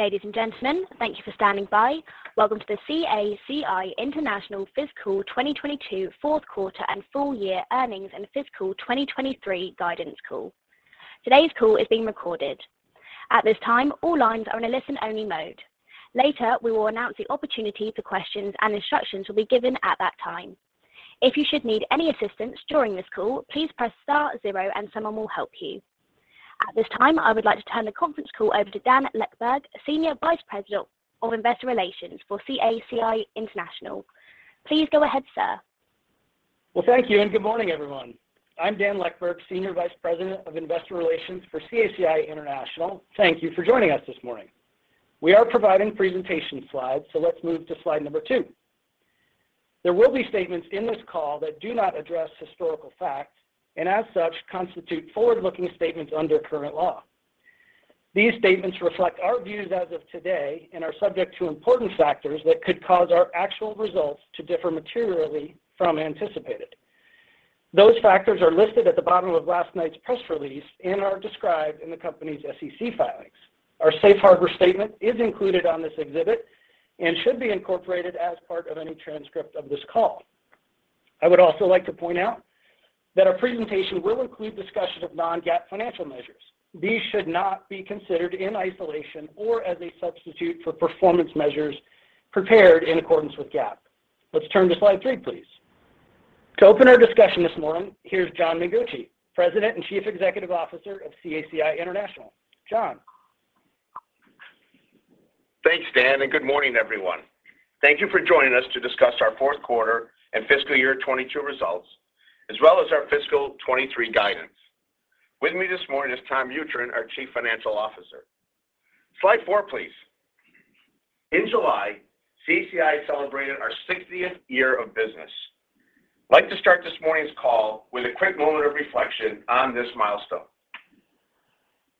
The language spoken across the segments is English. Ladies and gentlemen, thank you for standing by. Welcome to the CACI International Fiscal 2022 fourth quarter and full year earnings and fiscal 2023 guidance call. Today's call is being recorded. At this time, all lines are in a listen-only mode. Later, we will announce the opportunity for questions and instructions will be given at that time. If you should need any assistance during this call, please press star zero and someone will help you. At this time, I would like to turn the conference call over to Dan Leckburg, Senior Vice President of Investor Relations for CACI International. Please go ahead, sir. Well, thank you, and good morning, everyone. I'm Dan Leckburg, Senior Vice President of Investor Relations for CACI International. Thank you for joining us this morning. We are providing presentation slides, so let's move to slide number two. There will be statements in this call that do not address historical facts, and as such, constitute forward-looking statements under current law. These statements reflect our views as of today and are subject to important factors that could cause our actual results to differ materially from anticipated. Those factors are listed at the bottom of last night's press release and are described in the company's SEC filings. Our safe harbor statement is included on this exhibit and should be incorporated as part of any transcript of this call. I would also like to point out that our presentation will include discussion of non-GAAP financial measures. These should not be considered in isolation or as a substitute for performance measures prepared in accordance with GAAP. Let's turn to slide three, please. To open our discussion this morning, here's John Mengucci, President and Chief Executive Officer of CACI International. John. Thanks, Dan, and good morning, everyone. Thank you for joining us to discuss our fourth quarter and fiscal year 2022 results, as well as our fiscal 2023 guidance. With me this morning is Tom Mutryn, our Chief Financial Officer. Slide four, please. In July, CACI celebrated our 60th year of business. I'd like to start this morning's call with a quick moment of reflection on this milestone.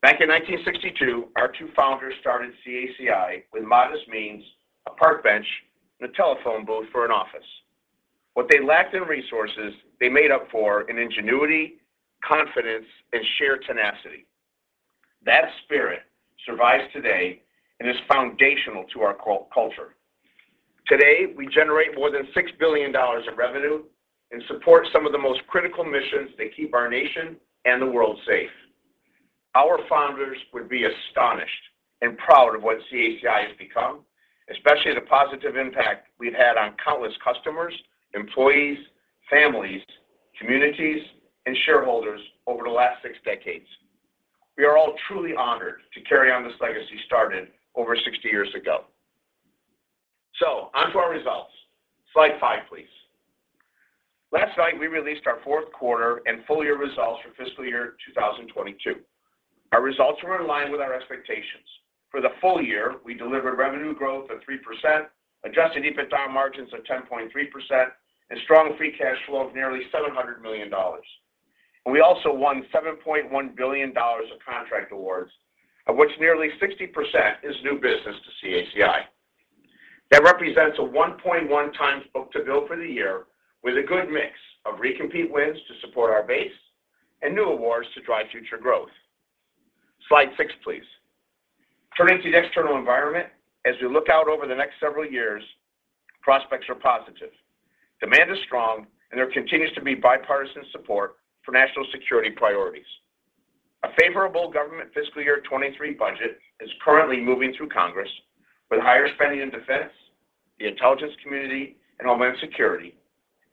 Back in 1962, our two founders started CACI with modest means, a park bench, and a telephone booth for an office. What they lacked in resources, they made up for in ingenuity, confidence, and sheer tenacity. That spirit survives today and is foundational to our culture. Today, we generate more than $6 billion of revenue and support some of the most critical missions that keep our nation and the world safe. Our founders would be astonished and proud of what CACI has become, especially the positive impact we've had on countless customers, employees, families, communities, and shareholders over the last six decades. We are all truly honored to carry on this legacy started over 60 years ago. On to our results. Slide five, please. Last night, we released our fourth quarter and full year results for fiscal year 2022. Our results were in line with our expectations. For the full year, we delivered revenue growth of 3%, adjusted EBITDA margins of 10.3%, and strong free cash flow of nearly $700 million. We also won $7.1 billion of contract awards, of which nearly 60% is new business to CACI. That represents a 1.1x book-to-bill for the year, with a good mix of recompete wins to support our base and new awards to drive future growth. Slide six, please. Turning to the external environment, as we look out over the next several years, prospects are positive. Demand is strong, and there continues to be bipartisan support for national security priorities. A favorable government fiscal year 2023 budget is currently moving through Congress with higher spending in defense, the intelligence community, and homeland security,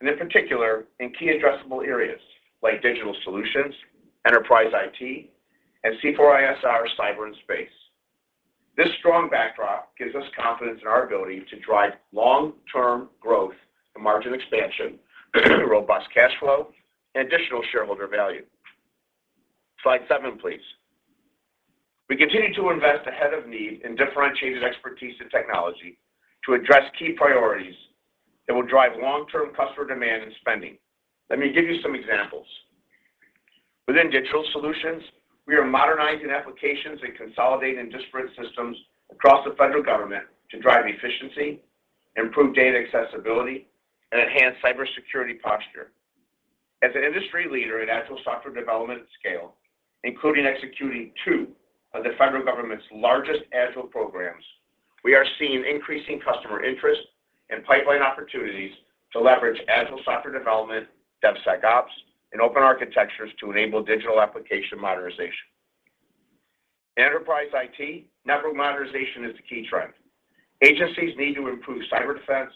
and in particular, in key addressable areas like digital solutions, enterprise IT, and C4ISR, cyber and space. This strong backdrop gives us confidence in our ability to drive long-term growth and margin expansion, robust cash flow, and additional shareholder value. Slide seven, please. We continue to invest ahead of need in differentiated expertise and technology to address key priorities that will drive long-term customer demand and spending. Let me give you some examples. Within digital solutions, we are modernizing applications and consolidating disparate systems across the federal government to drive efficiency, improve data accessibility, and enhance cybersecurity posture. As an industry leader in agile software development at scale, including executing two of the federal government's largest agile programs, we are seeing increasing customer interest and pipeline opportunities to leverage agile software development, DevSecOps, and open architectures to enable digital application modernization. In enterprise IT, network modernization is the key trend. Agencies need to improve cyber defense,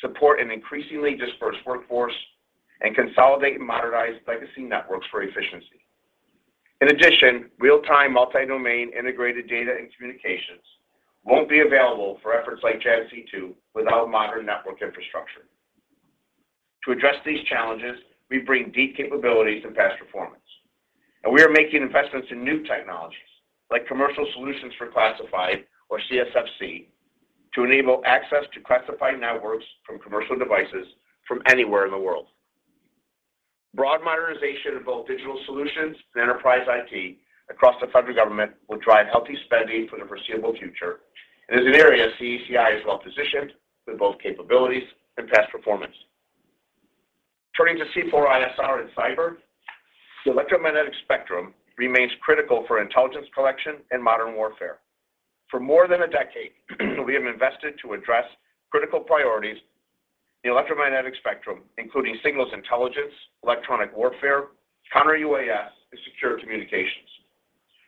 support an increasingly dispersed workforce, and consolidate and modernize legacy networks for efficiency. In addition, real-time multi-domain integrated data and communications won't be available for efforts like JADC2 without modern network infrastructure. To address these challenges, we bring deep capabilities and past performance, and we are making investments in new technologies like commercial solutions for classified or CSfC to enable access to classified networks from commercial devices from anywhere in the world. Broad modernization of both digital solutions and enterprise IT across the federal government will drive healthy spending for the foreseeable future and is an area CACI is well-positioned with both capabilities and past performance. Turning to C4ISR and cyber, the electromagnetic spectrum remains critical for intelligence collection and modern warfare. For more than a decade, we have invested to address critical priorities in the electromagnetic spectrum, including signals intelligence, electronic warfare, counter-UAS, and secure communications.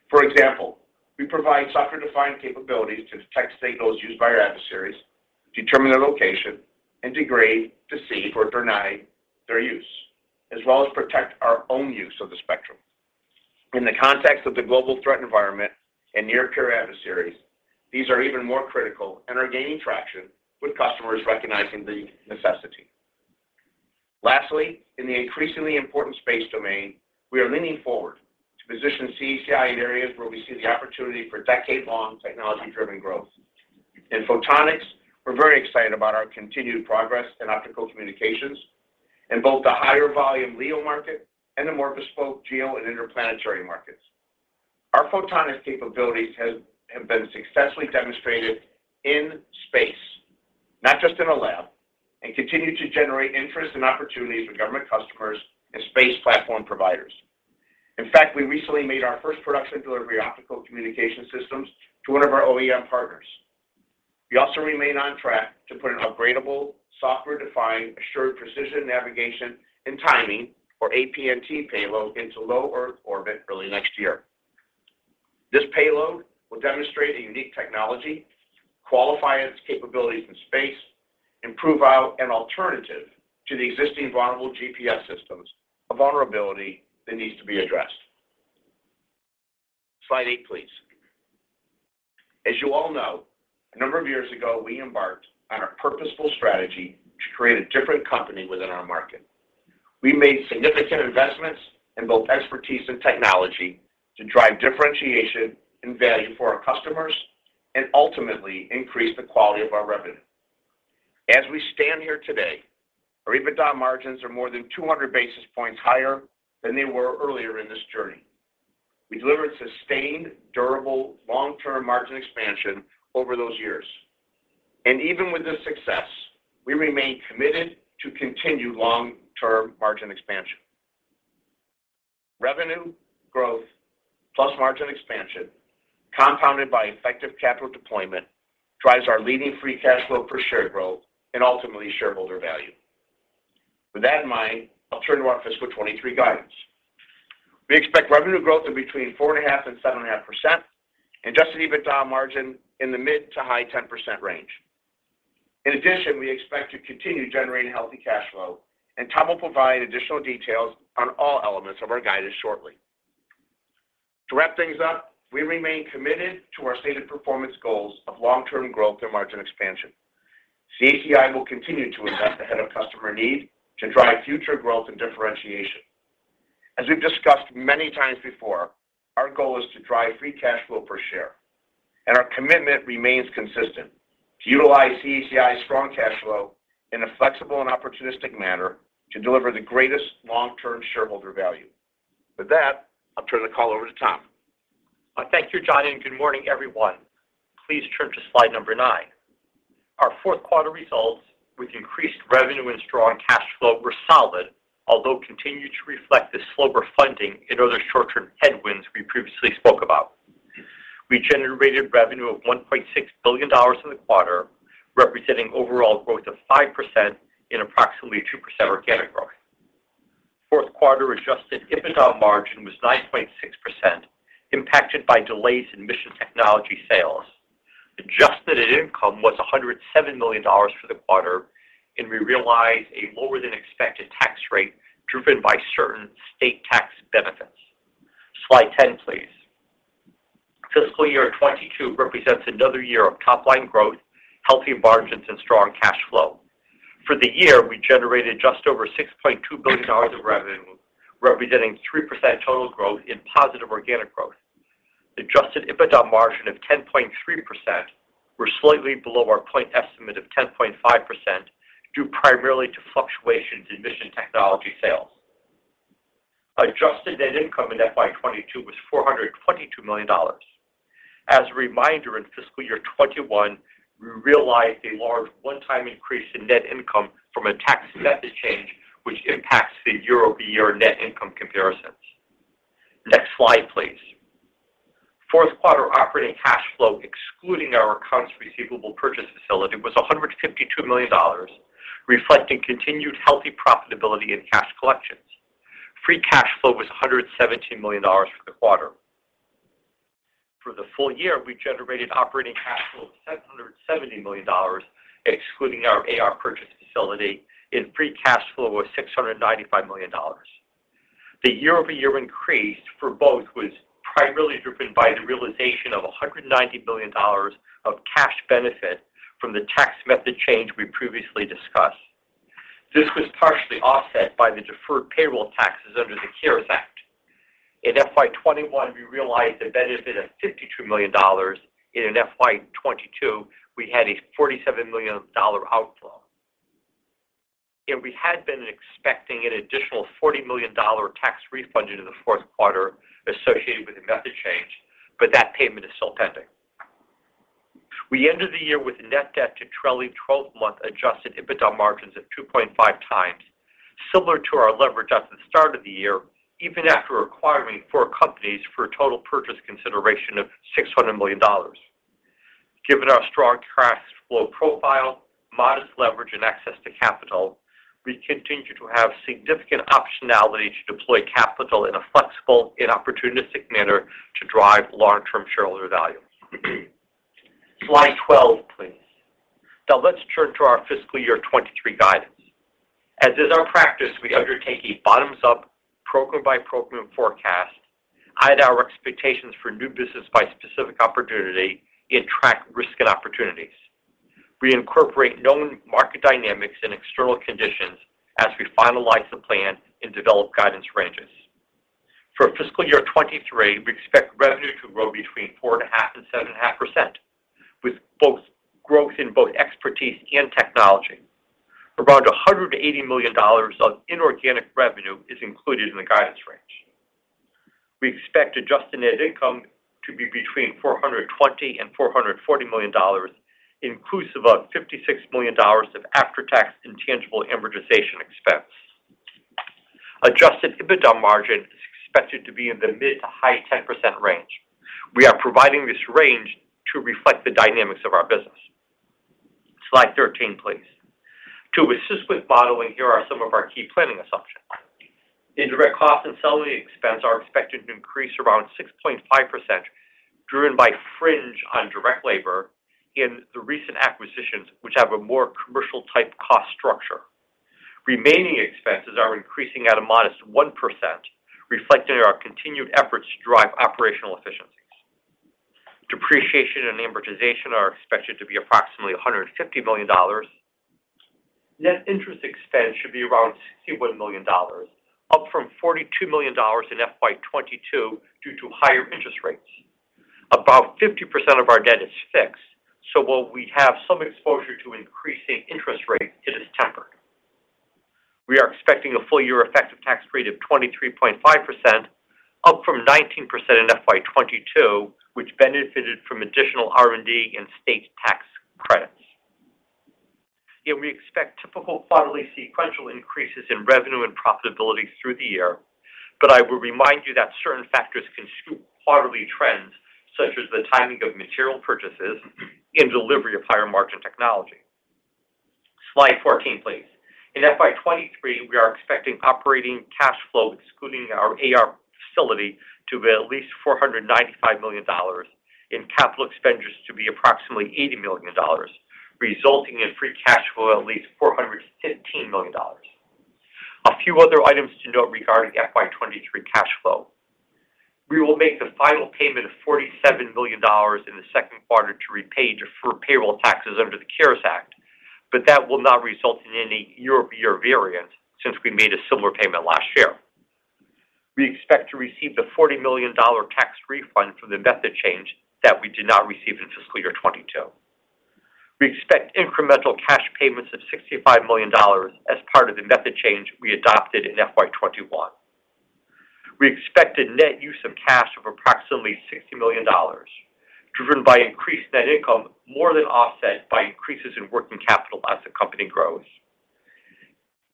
For example, we provide software-defined capabilities to detect signals used by our adversaries, determine their location, and degrade, deceive, or deny their use, as well as protect our own use of the spectrum. In the context of the global threat environment and near-peer adversaries, these are even more critical and are gaining traction with customers recognizing the necessity. Lastly, in the increasingly important space domain, we are leaning forward to position CACI in areas where we see the opportunity for decade-long technology-driven growth. In photonics, we're very excited about our continued progress in optical communications in both the higher-volume LEO market and the more bespoke GEO and interplanetary markets. Our photonics capabilities have been successfully demonstrated in space, not just in a lab, and continue to generate interest and opportunities for government customers and space platform providers. In fact, we recently made our first production delivery of optical communication systems to one of our OEM partners. We also remain on track to put an upgradable, software-defined, assured precision navigation and timing, or APNT payload, into low Earth orbit early next year. This payload will demonstrate a unique technology, qualify its capabilities in space, and prove out an alternative to the existing vulnerable GPS systems, a vulnerability that needs to be addressed. Slide eight, please. As you all know, a number of years ago, we embarked on a purposeful strategy to create a different company within our market. We made significant investments in both expertise and technology to drive differentiation and value for our customers and ultimately increase the quality of our revenue. As we stand here today, our EBITDA margins are more than 200 basis points higher than they were earlier in this journey. We delivered sustained, durable, long-term margin expansion over those years. Even with this success, we remain committed to continued long-term margin expansion. Revenue growth plus margin expansion, compounded by effective capital deployment, drives our leading free cash flow per share growth and ultimately shareholder value. With that in mind, I'll turn to our fiscal 2023 guidance. We expect revenue growth of between 4.5% and 7.5% and adjusted EBITDA margin in the mid- to high-10% range. In addition, we expect to continue generating healthy cash flow, and Tom will provide additional details on all elements of our guidance shortly. To wrap things up, we remain committed to our stated performance goals of long-term growth and margin expansion. CACI will continue to invest ahead of customer need to drive future growth and differentiation. As we've discussed many times before, our goal is to drive free cash flow per share, and our commitment remains consistent to utilize CACI's strong cash flow in a flexible and opportunistic manner to deliver the greatest long-term shareholder value. With that, I'll turn the call over to Tom. Why thank you, John, and good morning, everyone. Please turn to slide nine. Our fourth quarter results with increased revenue and strong cash flow were solid, although continue to reflect the slower funding and other short-term headwinds we previously spoke about. We generated revenue of $1.6 billion in the quarter, representing overall growth of 5% and approximately 2% organic growth. Fourth quarter adjusted EBITDA margin was 9.6%, impacted by delays in mission technology sales. Adjusted net income was $107 million for the quarter, and we realized a lower-than-expected tax rate driven by certain state tax benefits. Slide 10, please. Fiscal year 2022 represents another year of top-line growth, healthier margins, and strong cash flow. For the year, we generated just over $6.2 billion of revenue, representing 3% total growth and positive organic growth. Adjusted EBITDA margin of 10.3% were slightly below our point estimate of 10.5% due primarily to fluctuations in mission technology sales. Adjusted net income in FY 2022 was $422 million. As a reminder, in fiscal year 2021, we realized a large one-time increase in net income from a tax method change which impacts the year-over-year net income comparisons. Next slide, please. Fourth quarter operating cash flow, excluding our accounts receivable purchase facility, was $152 million, reflecting continued healthy profitability in cash collections. Free cash flow was $117 million for the quarter. For the full year, we generated operating cash flow of $770 million, excluding our AR purchase facility, and free cash flow was $695 million. The year-over-year increase for both was primarily driven by the realization of $190 million of cash benefit from the tax method change we previously discussed. This was partially offset by the deferred payroll taxes under the CARES Act. In FY 2021, we realized a benefit of $52 million. In FY 2022, we had a $47 million outflow. We had been expecting an additional $40 million tax refund in the fourth quarter associated with the method change, but that payment is still pending. We ended the year with net debt to trailing twelve-month adjusted EBITDA margins of 2.5x, similar to our leverage at the start of the year, even after acquiring four companies for a total purchase consideration of $600 million. Given our strong cash flow profile, modest leverage, and access to capital, we continue to have significant optionality to deploy capital in a flexible and opportunistic manner to drive long-term shareholder value. Slide 12, please. Now let's turn to our fiscal year 2023 guidance. As is our practice, we undertake a bottoms-up, program-by-program forecast, build our expectations for new business by specific opportunity, and track risk and opportunities. We incorporate known market dynamics and external conditions as we finalize the plan and develop guidance ranges. For fiscal year 2023, we expect revenue to grow between 4.5% and 7.5%, with growth in both expertise and technology. Around $180 million of inorganic revenue is included in the guidance range. We expect adjusted net income to be between $420 million and $440 million, inclusive of $56 million of after-tax intangible amortization expense. Adjusted EBITDA margin is expected to be in the mid- to high-10% range. We are providing this range to reflect the dynamics of our business. Slide 13, please. To assist with modeling, here are some of our key planning assumptions. Indirect costs and selling expense are expected to increase around 6.5%, driven by fringe on direct labor in the recent acquisitions, which have a more commercial type cost structure. Remaining expenses are increasing at a modest 1%, reflecting our continued efforts to drive operational efficiencies. Depreciation and amortization are expected to be approximately $150 million. Net interest expense should be around $61 million, up from $42 million in FY 2022 due to higher interest rates. About 50% of our debt is fixed, so while we have some exposure to increasing interest rates, it is tempered. We are expecting a full-year effective tax rate of 23.5%, up from 19% in FY 2022, which benefited from additional R&D and state tax credits. Yet we expect typical quarterly sequential increases in revenue and profitability through the year, but I will remind you that certain factors can skew quarterly trends, such as the timing of material purchases and delivery of higher-margin technology. Slide 14, please. In FY 2023, we are expecting operating cash flow, excluding our AR facility, to be at least $495 million and capital expenditures to be approximately $80 million, resulting in free cash flow of at least $415 million. A few other items to note regarding FY 2023 cash flow. We will make the final payment of $47 million in the second quarter to repay deferred payroll taxes under the CARES Act, but that will not result in any year-over-year variance since we made a similar payment last year. We expect to receive the $40 million tax refund from the method change that we did not receive in fiscal year 2022. We expect incremental cash payments of $65 million as part of the method change we adopted in FY 2021. We expected net use of cash of approximately $60 million, driven by increased net income more than offset by increases in working capital as the company grows.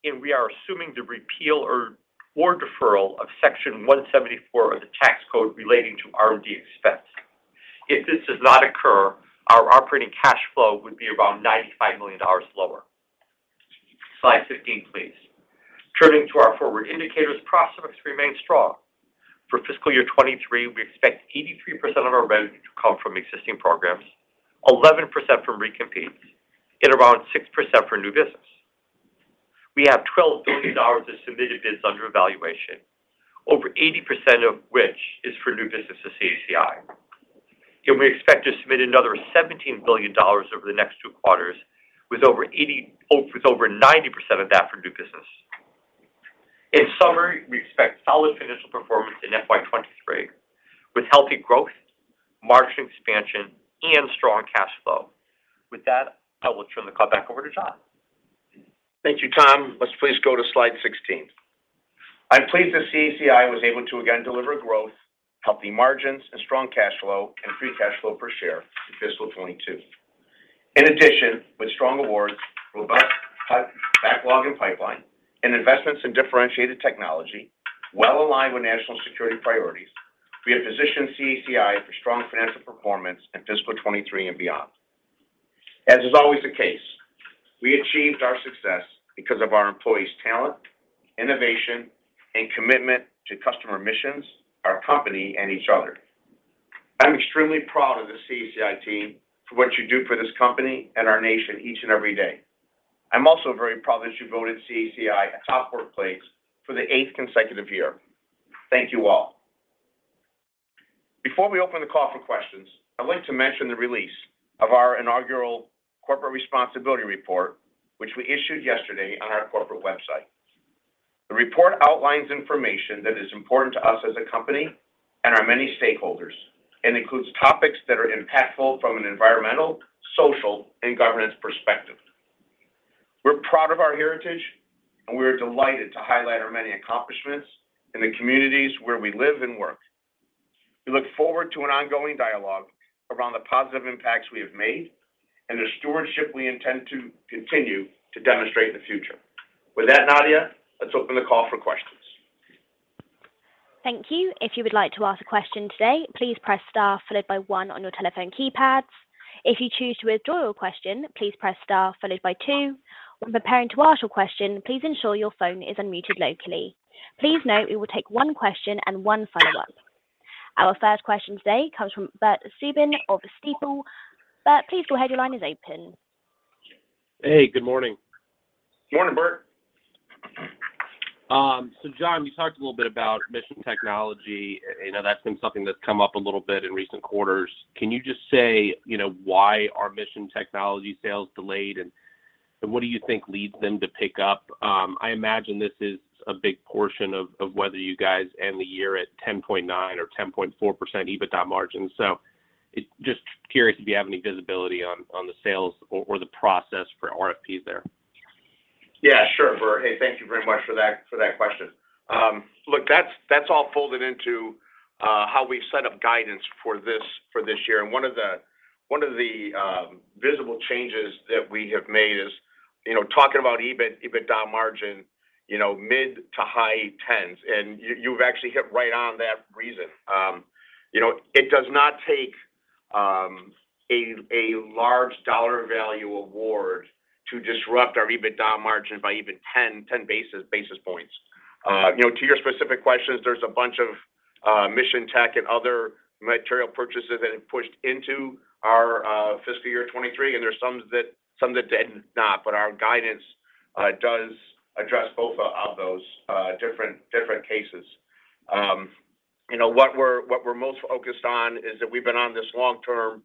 We are assuming the repeal or deferral of Section 174 of the tax code relating to R&D expense. If this does not occur, our operating cash flow would be around $95 million lower. Slide 15, please. Turning to our forward indicators, prospects remain strong. For fiscal year 2023, we expect 83% of our revenue to come from existing programs, 11% from recompetes, and around 6% for new business. We have $12 billion of submitted bids under evaluation, over 80% of which is for new business to CACI. We expect to submit another $17 billion over the next two quarters, with over 90% of that for new business. In summary, we expect solid financial performance in FY 2023 with healthy growth, margin expansion, and strong cash flow. With that, I will turn the call back over to John. Thank you, Tom. Let's please go to slide 16. I'm pleased that CACI was able to again deliver growth, healthy margins, and strong cash flow, and free cash flow per share in fiscal 2022. In addition, with strong awards, robust huge backlog and pipeline, and investments in differentiated technology, well-aligned with national security priorities, we have positioned CACI for strong financial performance in fiscal 2023 and beyond. As is always the case, we achieved our success because of our employees' talent, innovation, and commitment to customer missions, our company, and each other. I'm extremely proud of the CACI team for what you do for this company and our nation each and every day. I'm also very proud that you voted CACI a top workplace for the eighth consecutive year. Thank you all. Before we open the call for questions, I'd like to mention the release of our inaugural corporate responsibility report, which we issued yesterday on our corporate website. The report outlines information that is important to us as a company and our many stakeholders, and includes topics that are impactful from an environmental, social, and governance perspective. We're proud of our heritage, and we are delighted to highlight our many accomplishments in the communities where we live and work. We look forward to an ongoing dialogue around the positive impacts we have made, and the stewardship we intend to continue to demonstrate in the future. With that, Nadia, let's open the call for questions. Thank you. If you would like to ask a question today, please press star followed by one on your telephone keypads. If you choose to withdraw your question, please press star followed by two. When preparing to ask your question, please ensure your phone is unmuted locally. Please note we will take one question and one follow-up. Our first question today comes from Bert Subin of Stifel. Bert, please go ahead. Your line is open. Hey, good morning. Morning, Bert. John Mengucci, you talked a little bit about mission technology. I know that's been something that's come up a little bit in recent quarters. Can you just say, you know, why are mission technology sales delayed, and what do you think leads them to pick up? I imagine this is a big portion of whether you guys end the year at 10.9% or 10.4% EBITDA margin. Just curious if you have any visibility on the sales or the process for RFPs there. Yeah, sure, Bert. Hey, thank you very much for that question. Look, that's all folded into how we've set up guidance for this year, and one of the visible changes that we have made is, you know, talking about EBIT, EBITDA margin, you know, mid- to high tens. You've actually hit right on that reason. You know, it does not take a large dollar value award to disrupt our EBITDA margin by even 10 basis points. You know, to your specific questions, there's a bunch of mission tech and other material purchases that have pushed into our fiscal year 2023, and there's some that did not, but our guidance does address both of those different cases. You know, what we're most focused on is that we've been on this long-term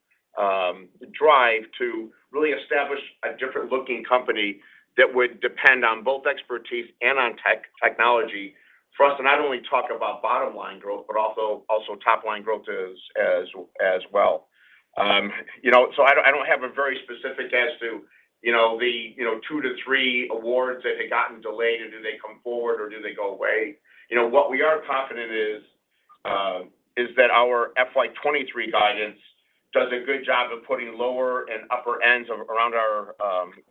drive to really establish a different looking company that would depend on both expertise and on technology for us to not only talk about bottom-line growth, but also top-line growth as well. You know, I don't have a very specific as to, you know, the, you know, two-three awards that had gotten delayed, and do they come forward, or do they go away? You know, what we are confident is that our FY 2023 guidance does a good job of putting lower and upper ends around our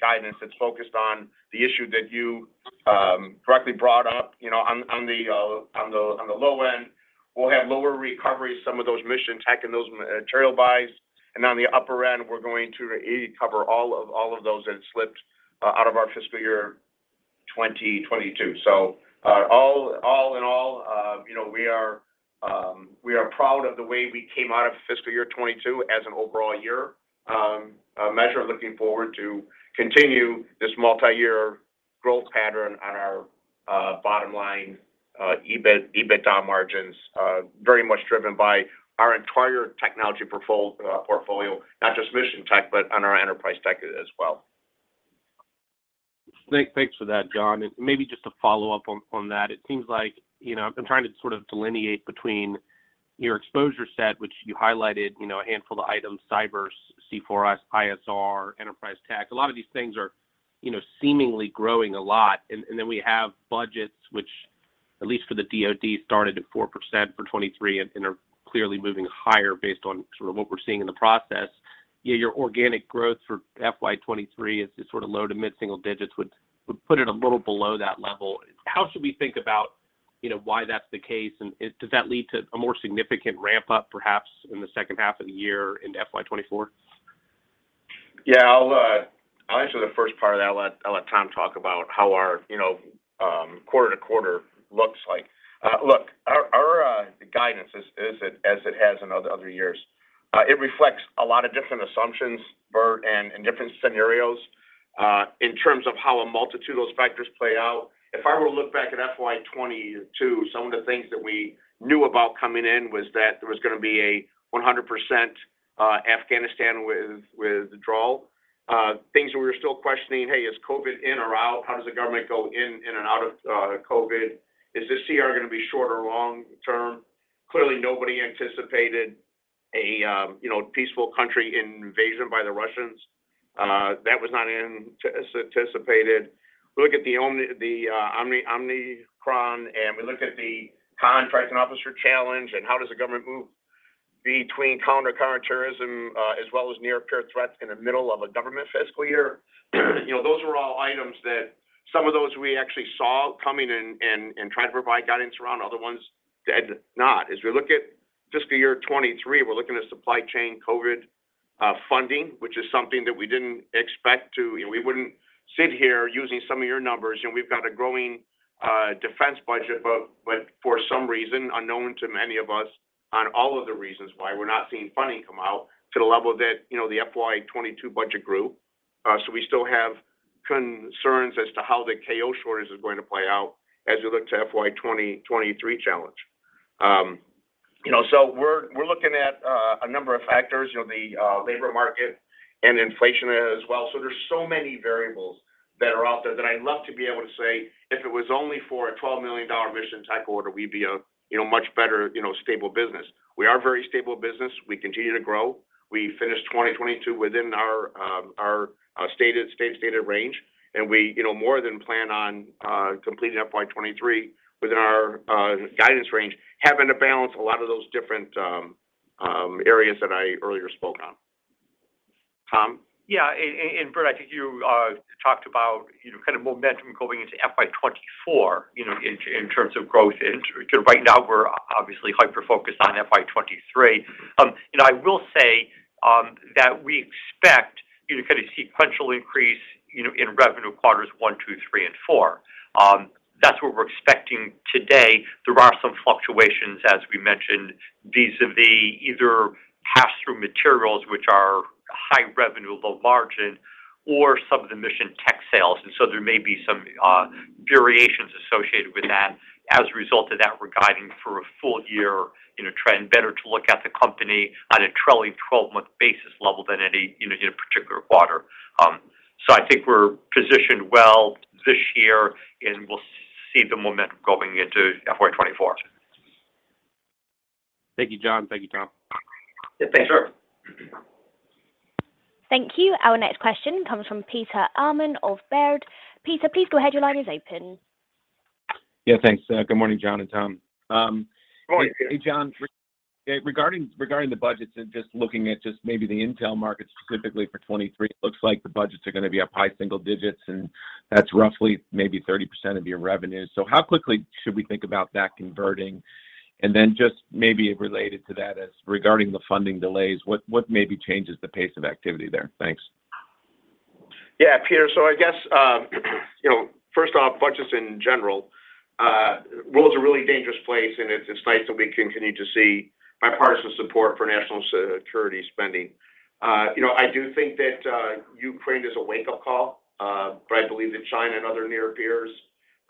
guidance that's focused on the issue that you correctly brought up. You know, on the low end, we'll have lower recovery, some of those mission tech and those material buys. On the upper end, we're going to recover all of those that slipped out of our fiscal year 2022. All in all, you know, we are proud of the way we came out of fiscal year 2022 as an overall year measure. Looking forward to continue this multiyear growth pattern on our bottom line, EBIT, EBITDA margins, very much driven by our entire technology portfolio. Not just mission tech, but on our enterprise tech as well. Thanks for that, John, and maybe just to follow up on that, it seems like, you know, I'm trying to sort of delineate between your exposure set, which you highlighted, you know, a handful of items, cyber, C4I, ISR, enterprise tech. A lot of these things are, you know, seemingly growing a lot. Then we have budgets which, at least for the DoD, started at 4% for 2023 and are clearly moving higher based on sort of what we're seeing in the process. Yet your organic growth for FY 2023 is just sort of low to mid single digits. Would put it a little below that level. How should we think about, you know, why that's the case, and does that lead to a more significant ramp-up, perhaps, in the second half of the year into FY 2024? Yeah. I'll answer the first part of that. I'll let Tom talk about how our, you know, quarter to quarter looks like. Look, our guidance is at, as it has in other years. It reflects a lot of different assumptions, Bert, and different scenarios in terms of how a multitude of those factors play out. If I were to look back at FY 2022, some of the things that we knew about coming in was that there was gonna be a 100% Afghanistan withdrawal. Things we were still questioning, "Hey, is COVID in or out? How does the government go in and out of COVID? Is the CR gonna be short or long term?" Clearly, nobody anticipated a you know, peaceful country invasion by the Russians. That was not anticipated. We look at the Omicron, and we look at the contracting officer challenge and how does the government move between counterterrorism, as well as near peer threats in the middle of a government fiscal year. You know, those were all items that some of those we actually saw coming and tried to provide guidance around, other ones did not. As we look at fiscal year 2023, we're looking at supply chain COVID funding, which is something that we didn't expect to. You know, we wouldn't sit here using some of your numbers, you know, we've got a growing defense budget, but for some reason, unknown to many of us on all of the reasons why we're not seeing funding come out to the level that, you know, the FY 2022 budget grew. We still have concerns as to how the KO shortage is going to play out as we look to FY 2023 challenge. You know, we're looking at a number of factors. You know, the labor market and inflation as well. There's so many variables that are out there that I'd love to be able to say, "If it was only for a $12 million mission type order, we'd be a, you know, much better, you know, stable business." We are a very stable business. We continue to grow. We finished 2022 within our stated range. We more than plan on completing FY 2023 within our guidance range, having to balance a lot of those different areas that I earlier spoke on. Tom. Yeah. Bert, I think you talked about, you know, kind of momentum going into FY 2024, you know, in terms of growth. Right now we're obviously hyper-focused on FY 2023. You know, I will say that we expect, you know, kind of sequential increase, you know, in revenue Q1, Q2, Q3, and Q4. That's what we're expecting today. There are some fluctuations, as we mentioned, vis-a-vis either pass-through materials, which are high revenue, low margin or some of the mission tech sales. There may be some variations associated with that. As a result of that, we're guiding for a full year, you know, trend. Better to look at the company on a trailing 12-month basis level than any, you know, any particular quarter. I think we're positioned well this year, and we'll see the momentum going into FY 2024. Thank you, John. Thank you, Tom. Yeah, thanks. Sure. Thank you. Our next question comes from Peter Arment of Baird. Peter, please go ahead. Your line is open. Yeah, thanks. Good morning, John and Tom. Morning, Peter. John, regarding the budgets and just looking at just maybe the intel market specifically for 2023, it looks like the budgets are gonna be up high single digits%, and that's roughly maybe 30% of your revenue. How quickly should we think about that converting? Just maybe related to that, as regarding the funding delays, what maybe changes the pace of activity there? Thanks. Yeah, Peter. I guess, you know, first off, budgets in general, the world's a really dangerous place, and it's nice that we continue to see bipartisan support for national security spending. You know, I do think that Ukraine is a wake-up call, but I believe that China and other near peers,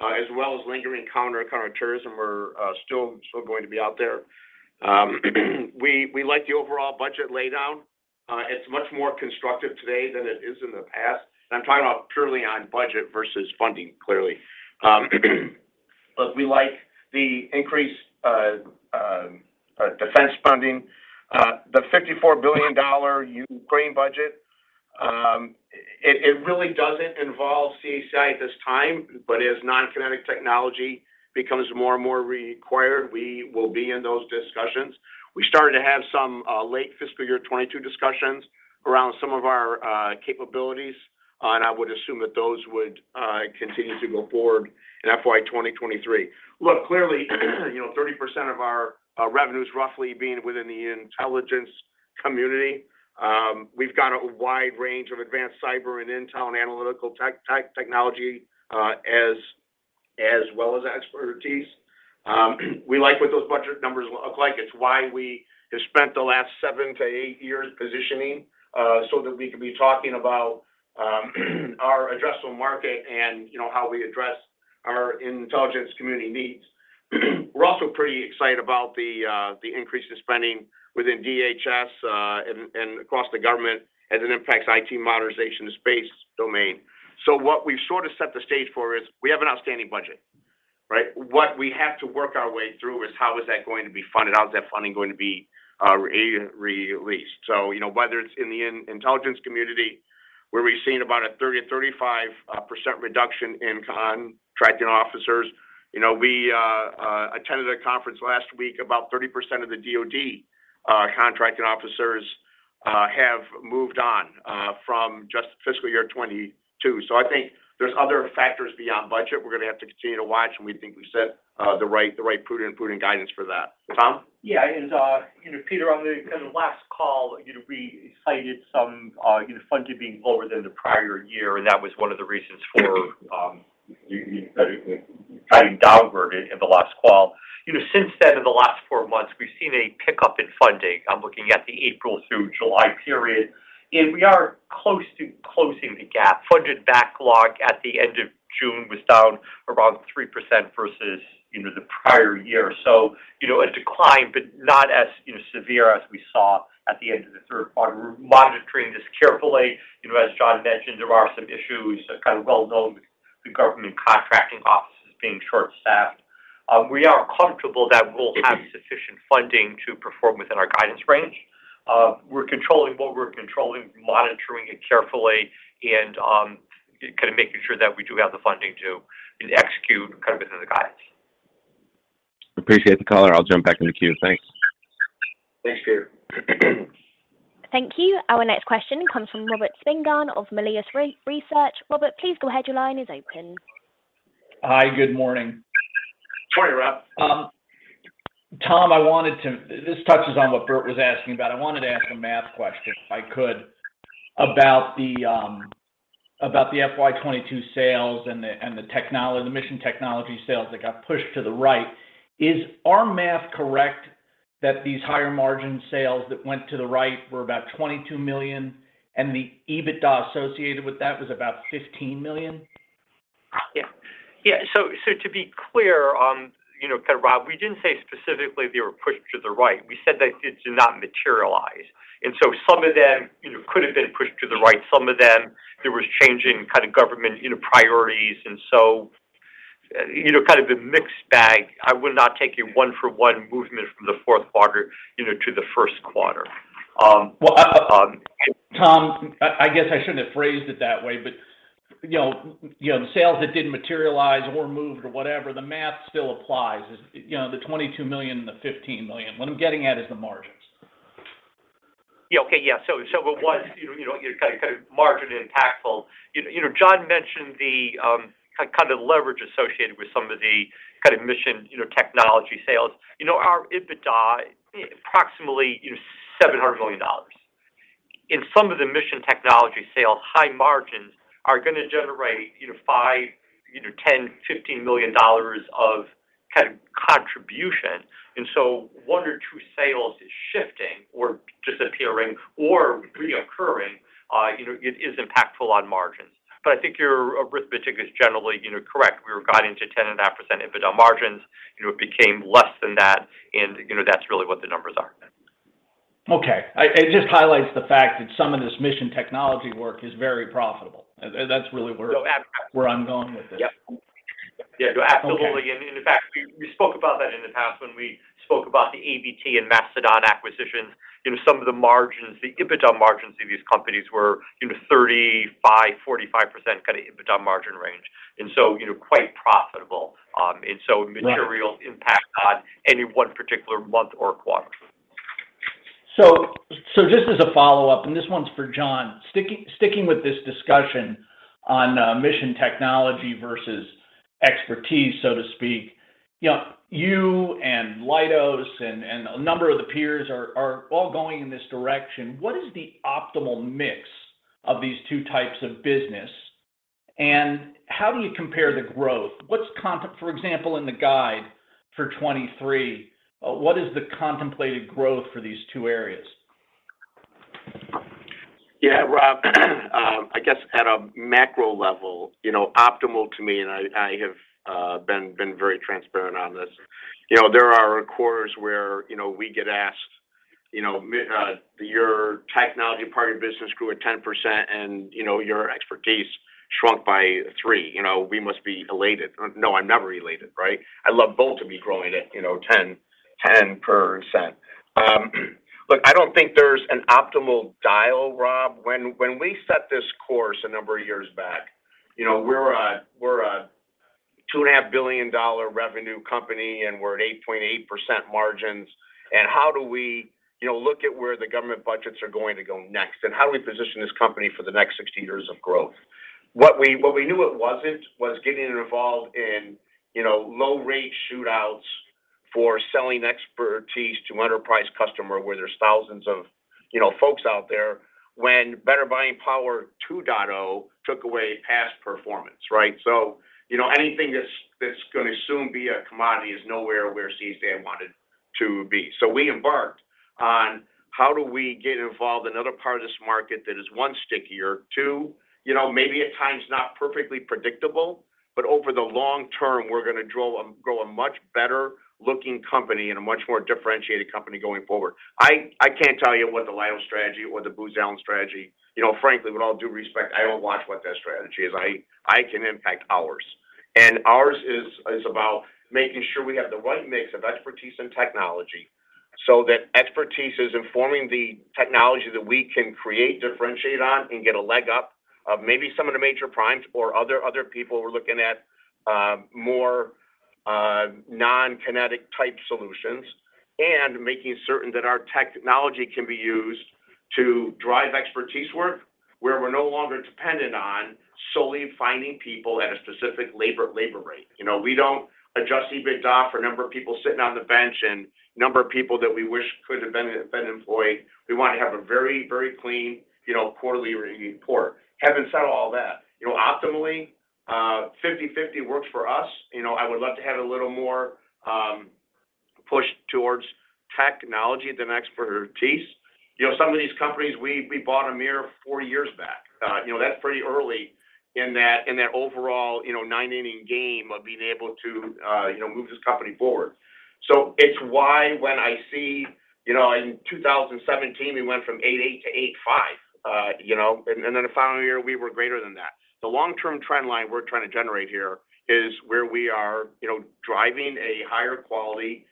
as well as lingering counterterrorism are still going to be out there. We like the overall budget laydown. It's much more constructive today than it is in the past. I'm talking about purely on budget versus funding, clearly. Look, we like the increased defense funding. The $54 billion Ukraine budget, it really doesn't involve CACI at this time. As non-kinetic technology becomes more and more required, we will be in those discussions. We started to have some late fiscal year 2022 discussions around some of our capabilities, and I would assume that those would continue to go forward in FY 2023. Look, clearly, you know, 30% of our revenue is roughly being within the intelligence community. We've got a wide range of advanced cyber and intel and analytical technology, as well as expertise. We like what those budget numbers look like. It's why we have spent the last seven-eight years positioning so that we can be talking about our addressable market and, you know, how we address our intelligence community needs. We're also pretty excited about the increase in spending within DHS and across the government as it impacts IT modernization, the space domain. What we've sort of set the stage for is we have an outstanding budget, right? What we have to work our way through is how is that going to be funded, how is that funding going to be released. Whether it's in the intelligence community, where we've seen about a 30%-35% reduction in contracting officers. We attended a conference last week. About 30% of the DoD contracting officers have moved on from just fiscal year 2022. I think there's other factors beyond budget we're gonna have to continue to watch, and we think we set the right prudent guidance for that. Tom. Yeah. You know, Peter, on the kind of last call, you know, we cited some, you know, funding being lower than the prior year, and that was one of the reasons for guiding downward in the last call. You know, since then, in the last four months, we've seen a pickup in funding. I'm looking at the April through July period. We are close to closing the gap. Funded backlog at the end of June was down around 3% versus, you know, the prior year. You know, a decline, but not as, you know, severe as we saw at the end of the third quarter. We're monitoring this carefully. You know, as John mentioned, there are some issues, kind of well known, the government contracting offices being short-staffed. We are comfortable that we'll have sufficient funding to perform within our guidance range. We're controlling it, monitoring it carefully and kind of making sure that we do have the funding to execute kind of within the guidance. Appreciate the color. I'll jump back in the queue. Thanks. Thanks, Peter. Thank you. Our next question comes from Robert Spingarn of Melius Research. Robert, please go ahead. Your line is open. Hi. Good morning. Morning, Rob. Tom, this touches on what Bert was asking about. I wanted to ask a math question, if I could, about the FY 2022 sales and the mission technology sales that got pushed to the right. Is our math correct that these higher margin sales that went to the right were about $22 million, and the EBITDA associated with that was about $15 million? To be clear on, you know, kind of Rob, we didn't say specifically they were pushed to the right. We said that it did not materialize. Some of them, you know, could have been pushed to the right. Some of them, there was changing kind of government, you know, priorities. You know, kind of a mixed bag. I would not take a one-for-one movement from the fourth quarter, you know, to the first quarter. Well, Tom, I guess I shouldn't have phrased it that way, but, you know, the sales that didn't materialize or moved or whatever, the math still applies. You know, the $22 million and the $15 million. What I'm getting at is the margins. Yeah. Okay. Yeah. But it was, you know, kind of margin impactful. You know, John mentioned the kind of leverage associated with some of the kind of mission, you know, technology sales. You know, our EBITDA, approximately, you know, $700 million. In some of the mission technology sales, high margins are gonna generate, you know, $5, $10, $15 million of kind of contribution. One or two sales shifting or disappearing or recurring, you know, it is impactful on margins. I think your arithmetic is generally, you know, correct. We were guiding to 10.5% EBITDA margins. You know, it became less than that, and, you know, that's really what the numbers are. Okay. It just highlights the fact that some of this mission technology work is very profitable. That's really where So ab- Where I'm going with this. Yeah. Yeah. Absolutely. Okay. In fact, we spoke about that in the past when we spoke about the ABT and Mastodon acquisitions. You know, some of the margins, the EBITDA margins of these companies were, you know, 35%-45% kind of EBITDA margin range, you know, quite profitable. Yeah material impact on any one particular month or quarter. Just as a follow-up, and this one's for John. Sticking with this discussion on mission technology versus expertise, so to speak. You know, you and Leidos and a number of the peers are all going in this direction. What is the optimal mix of these two types of business? How do you compare the growth? For example, in the guidance for 2023, what is the contemplated growth for these two areas? Yeah, Rob, I guess at a macro level, you know, optimal to me, and I have been very transparent on this. You know, there are quarters where, you know, we get asked, you know, "Your technology part of your business grew at 10% and, you know, your expertise shrunk by 3%." You know, we must be elated. No, I'm never elated. Right? I love both to be growing at, you know, 10%. Look, I don't think there's an optimal dial, Rob. When we set this course a number of years back, you know, we're a $2.5 billion revenue company, and we're at 8.8% margins, and how do we, you know, look at where the government budgets are going to go next, and how do we position this company for the next 60 years of growth? What we knew it wasn't, was getting involved in, you know, low rate shootouts for selling expertise to enterprise customer, where there's thousands of, you know, folks out there, when Better Buying Power 2.0 took away past performance, right? You know, anything that's gonna soon be a commodity is nowhere where CACI wanted to be. We embarked on how do we get involved in another part of this market that is, one, stickier, two, you know, maybe at times not perfectly predictable, but over the long term, we're gonna grow a much better-looking company and a much more differentiated company going forward. I can't tell you what the Leidos strategy or the Booz Allen strategy. You know, frankly, with all due respect, I don't watch what their strategy is. I can impact ours. Ours is about making sure we have the right mix of expertise and technology, so that expertise is informing the technology that we can create, differentiate on, and get a leg up on maybe some of the major primes or other people who are looking at more non-kinetic type solutions. Making certain that our technology can be used to drive expertise work, where we're no longer dependent on solely finding people at a specific labor rate. You know, we don't adjust EBITDA for a number of people sitting on the bench and number of people that we wish could have been employed. We want to have a very clean, you know, quarterly report. Having said all that, you know, optimally, 50/50 works for us. You know, I would love to have a little more push towards technology than expertise. You know, some of these companies, we bought a mere four years back. That's pretty early in that overall nine-inning game of being able to move this company forward. It's why when I see, you know, in 2017, we went from 8.8% to 8.5%, you know. And then the following year, we were greater than that. The long-term trend line we're trying to generate here is where we are, you know, driving a higher quality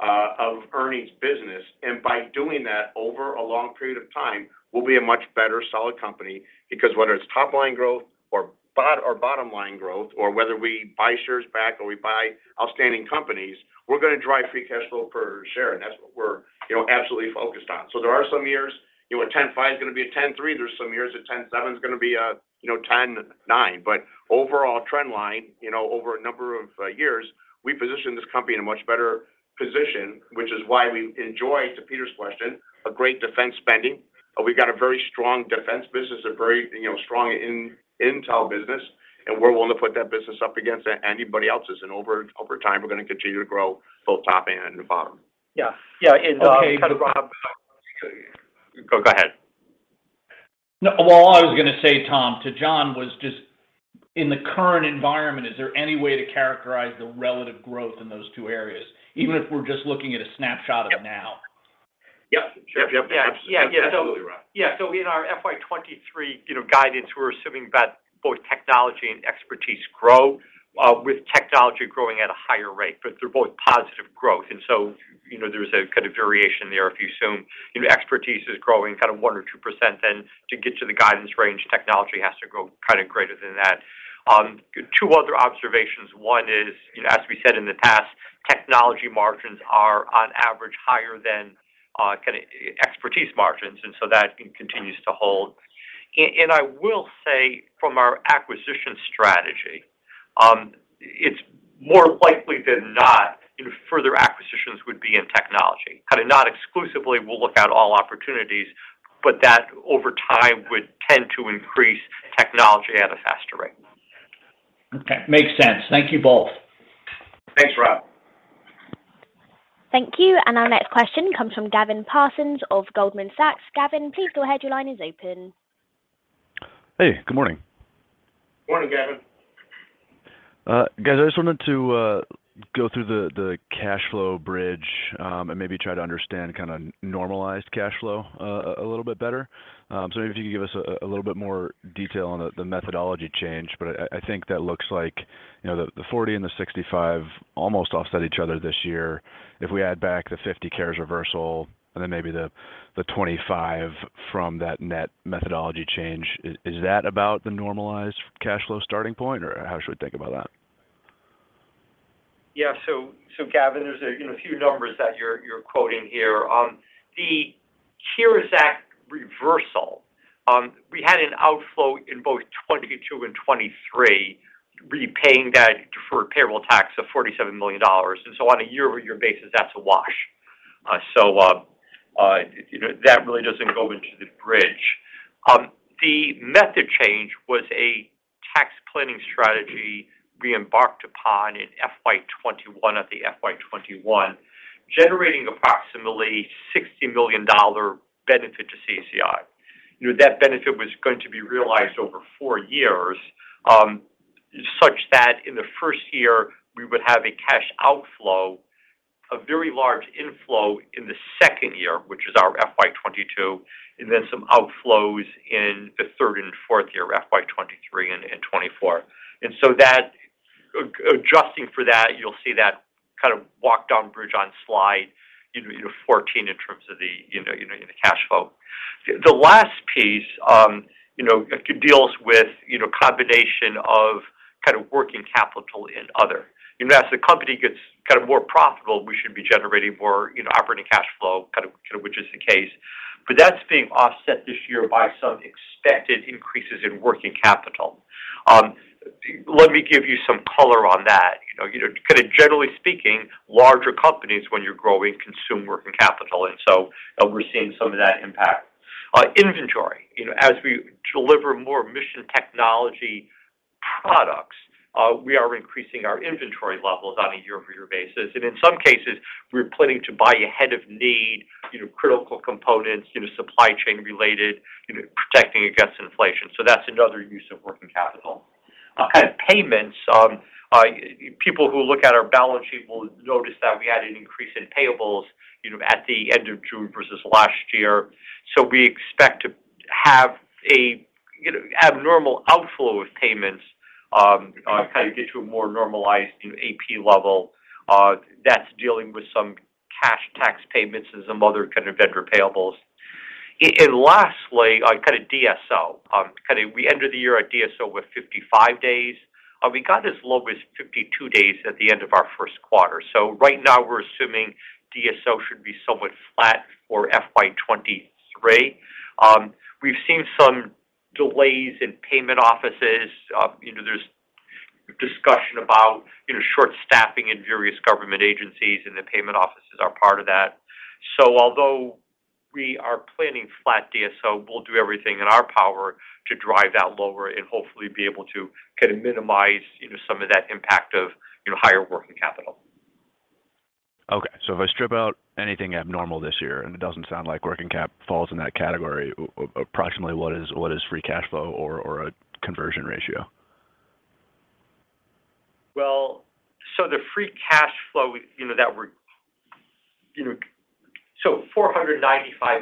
of earnings business, and by doing that over a long period of time, we'll be a much better, solid company. Because whether it's top line growth or bottom line growth, or whether we buy shares back or we buy outstanding companies, we're gonna drive free cash flow per share, and that's what we're, you know, absolutely focused on. There are some years, you know, a 10.5% is gonna be a 10.3%. There's some years a 10.7% is gonna be a, you know, 10.9%. Overall trend line, you know, over a number of years, we positioned this company in a much better position, which is why we enjoy, to Peter's question, a great defense spending. We've got a very strong defense business, a very, you know, strong intel business, and we're willing to put that business up against anybody else's. Over time, we're gonna continue to grow both top and bottom. Yeah. Yeah. Okay. Kind of Rob. Go ahead. No, well, all I was gonna say, Tom, to John was just in the current environment, is there any way to characterize the relative growth in those two areas, even if we're just looking at a snapshot of now? Yep. Sure. Yeah. Yeah. Yeah. Absolutely, Rob. Yeah. In our FY 2023, you know, guidance, we're assuming that both technology and expertise grow, with technology growing at a higher rate, but they're both positive growth. You know, there's a kind of variation there. If you assume, you know, expertise is growing kind of 1%-2%, then to get to the guidance range, technology has to grow kind of greater than that. two other observations. One is, you know, as we said in the past, technology margins are on average higher than, kinda expertise margins, and that continues to hold. And I will say from our acquisition strategy, it's more likely than not, you know, further acquisitions would be in technology, kind of not exclusively, we'll look at all opportunities, but that over time would tend to increase technology at a faster rate. Okay. Makes sense. Thank you both. Thanks, Rob. Thank you. Our next question comes from Gavin Parsons of Goldman Sachs. Gavin, please go ahead. Your line is open. Hey, good morning. Morning, Gavin. Guys, I just wanted to go through the cash flow bridge and maybe try to understand kinda normalized cash flow a little bit better. Maybe if you could give us a little bit more detail on the methodology change, but I think that looks like, you know, the $40 and the $65 almost offset each other this year. If we add back the $50 CARES reversal and then maybe the $25 from that net methodology change, is that about the normalized cash flow starting point, or how should we think about that? Yeah. Gavin, there's a few numbers that you're quoting here. The CARES Act reversal, we had an outflow in both 2022 and 2023, repaying that deferred payroll tax of $47 million. On a year-over-year basis, that's a wash. That really doesn't go into the bridge. The method change was a tax planning strategy we embarked upon in FY 2021, generating approximately $60 million benefit to CACI. That benefit was going to be realized over four years, such that in the first year we would have a cash outflow, a very large inflow in the second year, which is our FY 2022, and then some outflows in the third and fourth year, FY 2023 and 2024. That, adjusting for that, you'll see that kind of walk down bridge on slide 14 in terms of the, you know, the cash flow. The last piece, you know, deals with you know, combination of kind of working capital and other. You know, as the company gets kind of more profitable, we should be generating more, you know, operating cash flow, kind of which is the case. But that's being offset this year by some expected increases in working capital. Let me give you some color on that. You know, kind of generally speaking, larger companies when you're growing consume working capital, and so we're seeing some of that impact. Inventory. You know, as we deliver more mission technology products, we are increasing our inventory levels on a year-over-year basis. In some cases, we're planning to buy ahead of need, you know, critical components, you know, supply chain related, you know, protecting against inflation. That's another use of working capital. Payments, people who look at our balance sheet will notice that we had an increase in payables, you know, at the end of June versus last year. We expect to have a, you know, abnormal outflow of payments, kind of get to a more normalized, you know, AP level. That's dealing with some cash tax payments and some other kind of vendor payables. And lastly, kind of DSO. Kind of we ended the year at DSO with 55 days. We got as low as 52 days at the end of our first quarter. Right now we're assuming DSO should be somewhat flat for FY 2023. We've seen some delays in payment offices. You know, there's discussion about, you know, short staffing in various government agencies, and the payment offices are part of that. Although we are planning flat DSO, we'll do everything in our power to drive that lower and hopefully be able to kinda minimize, you know, some of that impact of, you know, higher working capital. Okay. If I strip out anything abnormal this year, and it doesn't sound like working cap falls in that category, approximately what is free cash flow or a conversion ratio? the free cash flow, you know, $495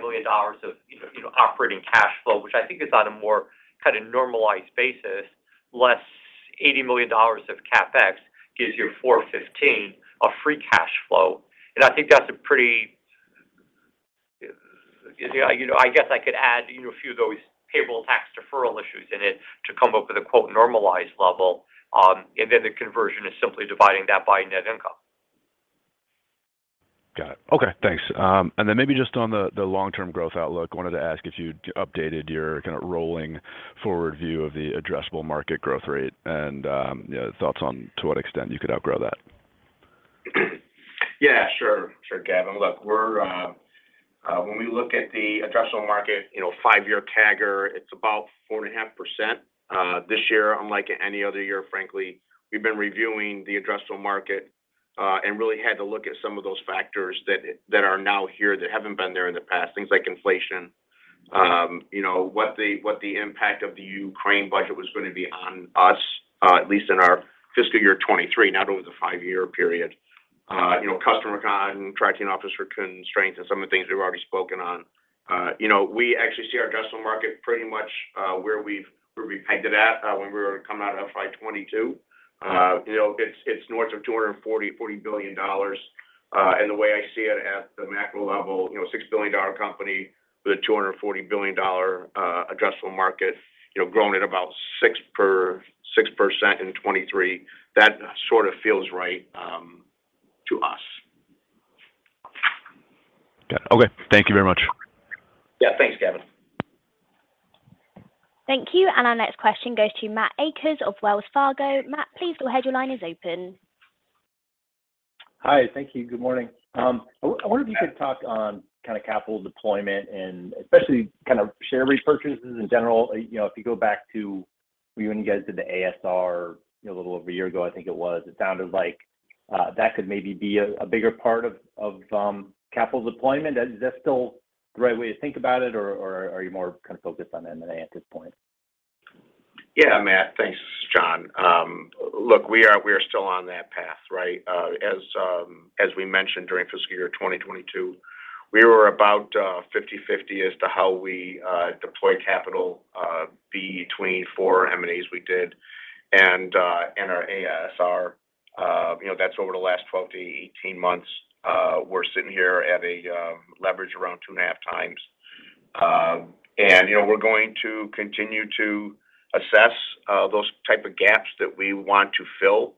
million of, you know, operating cash flow, which I think is on a more kind of normalized basis, less $80 million of CapEx gives you $415 of free cash flow. I think that's a pretty, you know, I guess I could add, you know, a few of those payable tax deferral issues in it to come up with a quote, normalized level. The conversion is simply dividing that by net income. Got it. Okay, thanks. Maybe just on the long-term growth outlook, wanted to ask if you updated your kinda rolling forward view of the addressable market growth rate and, you know, thoughts on to what extent you could outgrow that? Yeah, sure. Sure, Gavin. Look, when we look at the addressable market, you know, five-year CAGR, it's about 4.5%, this year, unlike any other year, frankly. We've been reviewing the addressable market. Really had to look at some of those factors that are now here that haven't been there in the past, things like inflation. You know, what the impact of the Ukraine budget was gonna be on us, at least in our fiscal year 2023, not over the five-year period. You know, customer contracting officer constraints and some of the things we've already spoken on. You know, we actually see our addressable market pretty much where we've pegged it at when we were coming out of FY 2022. You know, it's north of $240 billion. The way I see it at the macro level, you know, $6 billion company with a $240 billion addressable market, you know, growing at about 6% in 2023, that sort of feels right to us. Got it. Okay. Thank you very much. Yeah, thanks, Gavin. Thank you. Our next question goes to Matthew Akers of Wells Fargo. Matt, please go ahead, your line is open. Hi. Thank you. Good morning. I wonder if you could talk on kinda capital deployment and especially kind of share repurchases in general. You know, if you go back to when you guys did the ASR a little over a year ago, I think it was, it sounded like that could maybe be a bigger part of capital deployment. Is that still the right way to think about it, or are you more kind of focused on M&A at this point? Yeah, Matt. Thanks, John. Look, we are still on that path, right? As we mentioned during fiscal year 2022, we were about 50-50 as to how we deploy capital between four M&As we did and our ASR. You know, that's over the last 12 months-18 months. We're sitting here at a leverage around 2.5x. You know, we're going to continue to assess those type of gaps that we want to fill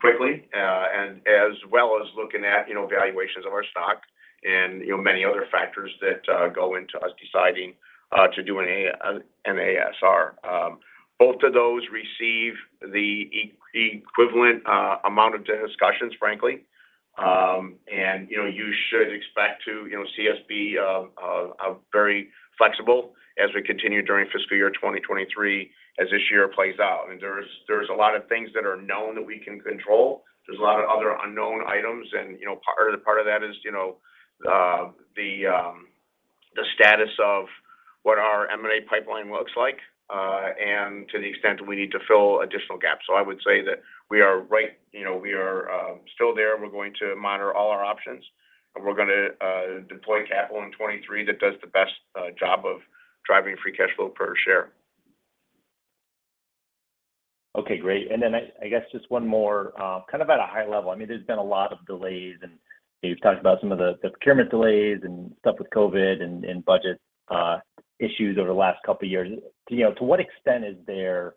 quickly, and as well as looking at valuations of our stock and many other factors that go into us deciding to do an ASR. Both of those receive the equivalent amount of discussions, frankly. You know, you should expect to, you know, see us be very flexible as we continue during fiscal year 2023, as this year plays out. I mean, there's a lot of things that are known that we can control. There's a lot of other unknown items and, you know, part of that is, you know, the status of what our M&A pipeline looks like, and to the extent that we need to fill additional gaps. I would say that you know, we are still there. We're going to monitor all our options, and we're gonna deploy capital in 2023 that does the best job of driving free cash flow per share. Okay, great. Then I guess just one more, kind of at a high level. I mean, there's been a lot of delays, and you've talked about some of the procurement delays and stuff with COVID and budget issues over the last couple of years. You know, to what extent is there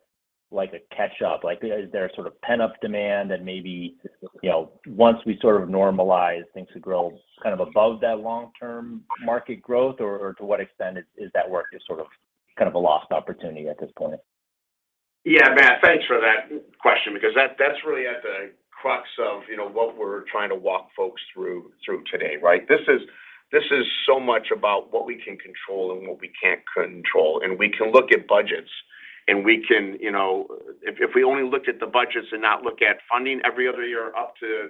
like a catch-up? Like, is there a sort of pent-up demand that maybe, you know, once we sort of normalize things to grow kind of above that long-term market growth? Or to what extent is that where it's just sort of kind of a lost opportunity at this point? Yeah. Matt, thanks for that question because that's really at the crux of, you know, what we're trying to walk folks through today, right? This is so much about what we can control and what we can't control. We can look at budgets, and we can, you know. If we only looked at the budgets and not look at funding every other year up to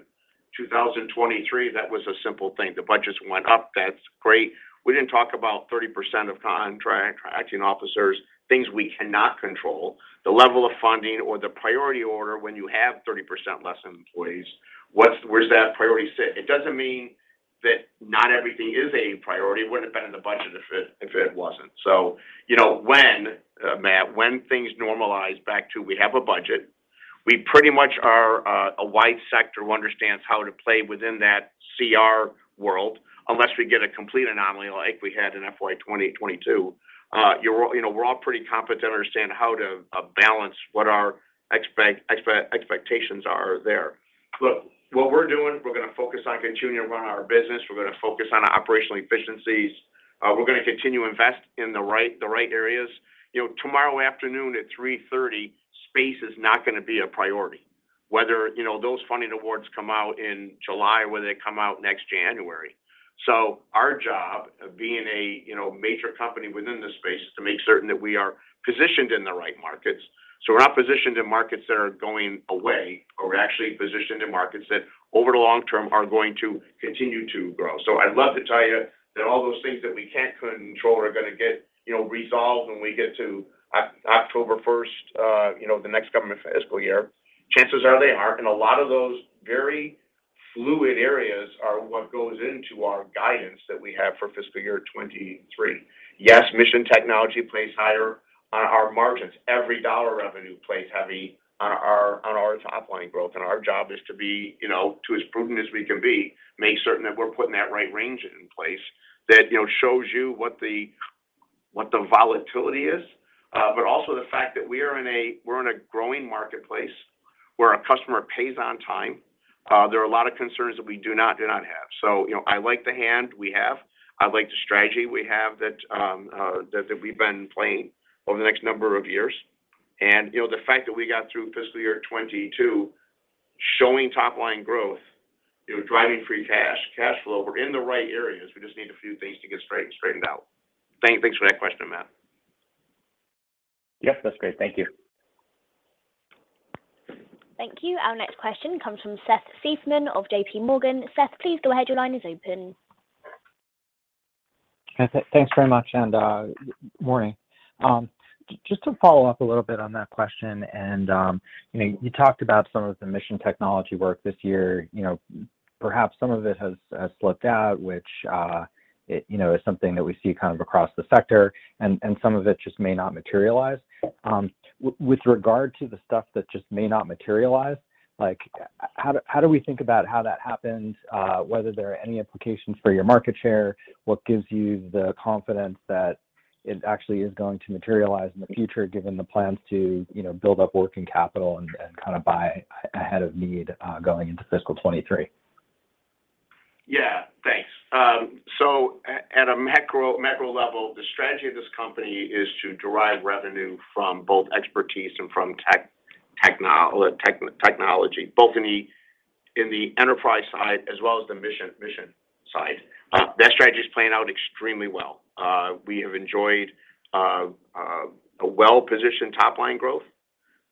2023, that was a simple thing. The budgets went up. That's great. We didn't talk about 30% of contract contracting officers, things we cannot control. The level of funding or the priority order when you have 30% less employees, what's, where's that priority sit? It doesn't mean that not everything is a priority. It wouldn't have been in the budget if it wasn't. You know, when, Matt, when things normalize back to we have a budget, we pretty much are a wide sector who understands how to play within that CR world unless we get a complete anomaly like we had in FY 2022. You know, we're all pretty competent to understand how to balance what our expectations are there. Look, what we're doing, we're gonna focus on continuing to run our business. We're gonna focus on our operational efficiencies. We're gonna continue to invest in the right areas. You know, tomorrow afternoon at 3:30 P.M., space is not gonna be a priority, whether you know, those funding awards come out in July or whether they come out next January. Our job of being a, you know, major company within this space is to make certain that we are positioned in the right markets. We're not positioned in markets that are going away, but we're actually positioned in markets that, over the long term, are going to continue to grow. I'd love to tell you that all those things that we can't control are gonna get, you know, resolved when we get to October first, you know, the next government fiscal year. Chances are they aren't, and a lot of those very fluid areas are what goes into our guidance that we have for fiscal year 2023. Yes, mission technology plays higher on our margins. Every dollar revenue plays heavy on our top line growth, and our job is to be as prudent as we can be, make certain that we're putting that right range in place that shows you what the volatility is, but also the fact that we're in a growing marketplace where a customer pays on time. There are a lot of concerns that we do not have. I like the hand we have. I like the strategy we have that we've been playing over the next number of years. The fact that we got through fiscal year 2022 showing top-line growth, driving free cash flow, we're in the right areas. We just need a few things to get straightened out. Thanks for that question, Matt. Yep, that's great. Thank you. Thank you. Our next question comes from Seth Seifman of JPMorgan. Seth, please go ahead. Your line is open. Thanks very much, and morning. Just to follow up a little bit on that question, and you know, you talked about some of the mission technology work this year. You know, perhaps some of it has slipped out, which you know is something that we see kind of across the sector, and some of it just may not materialize. With regard to the stuff that just may not materialize, like how do we think about how that happens, whether there are any implications for your market share? What gives you the confidence that it actually is going to materialize in the future, given the plans to you know build up working capital and kind of buy ahead of need going into fiscal 2023? Yeah. Thanks. At a macro level, the strategy of this company is to derive revenue from both expertise and from technology, both in the enterprise side as well as the mission side. That strategy is playing out extremely well. We have enjoyed a well-positioned top-line growth,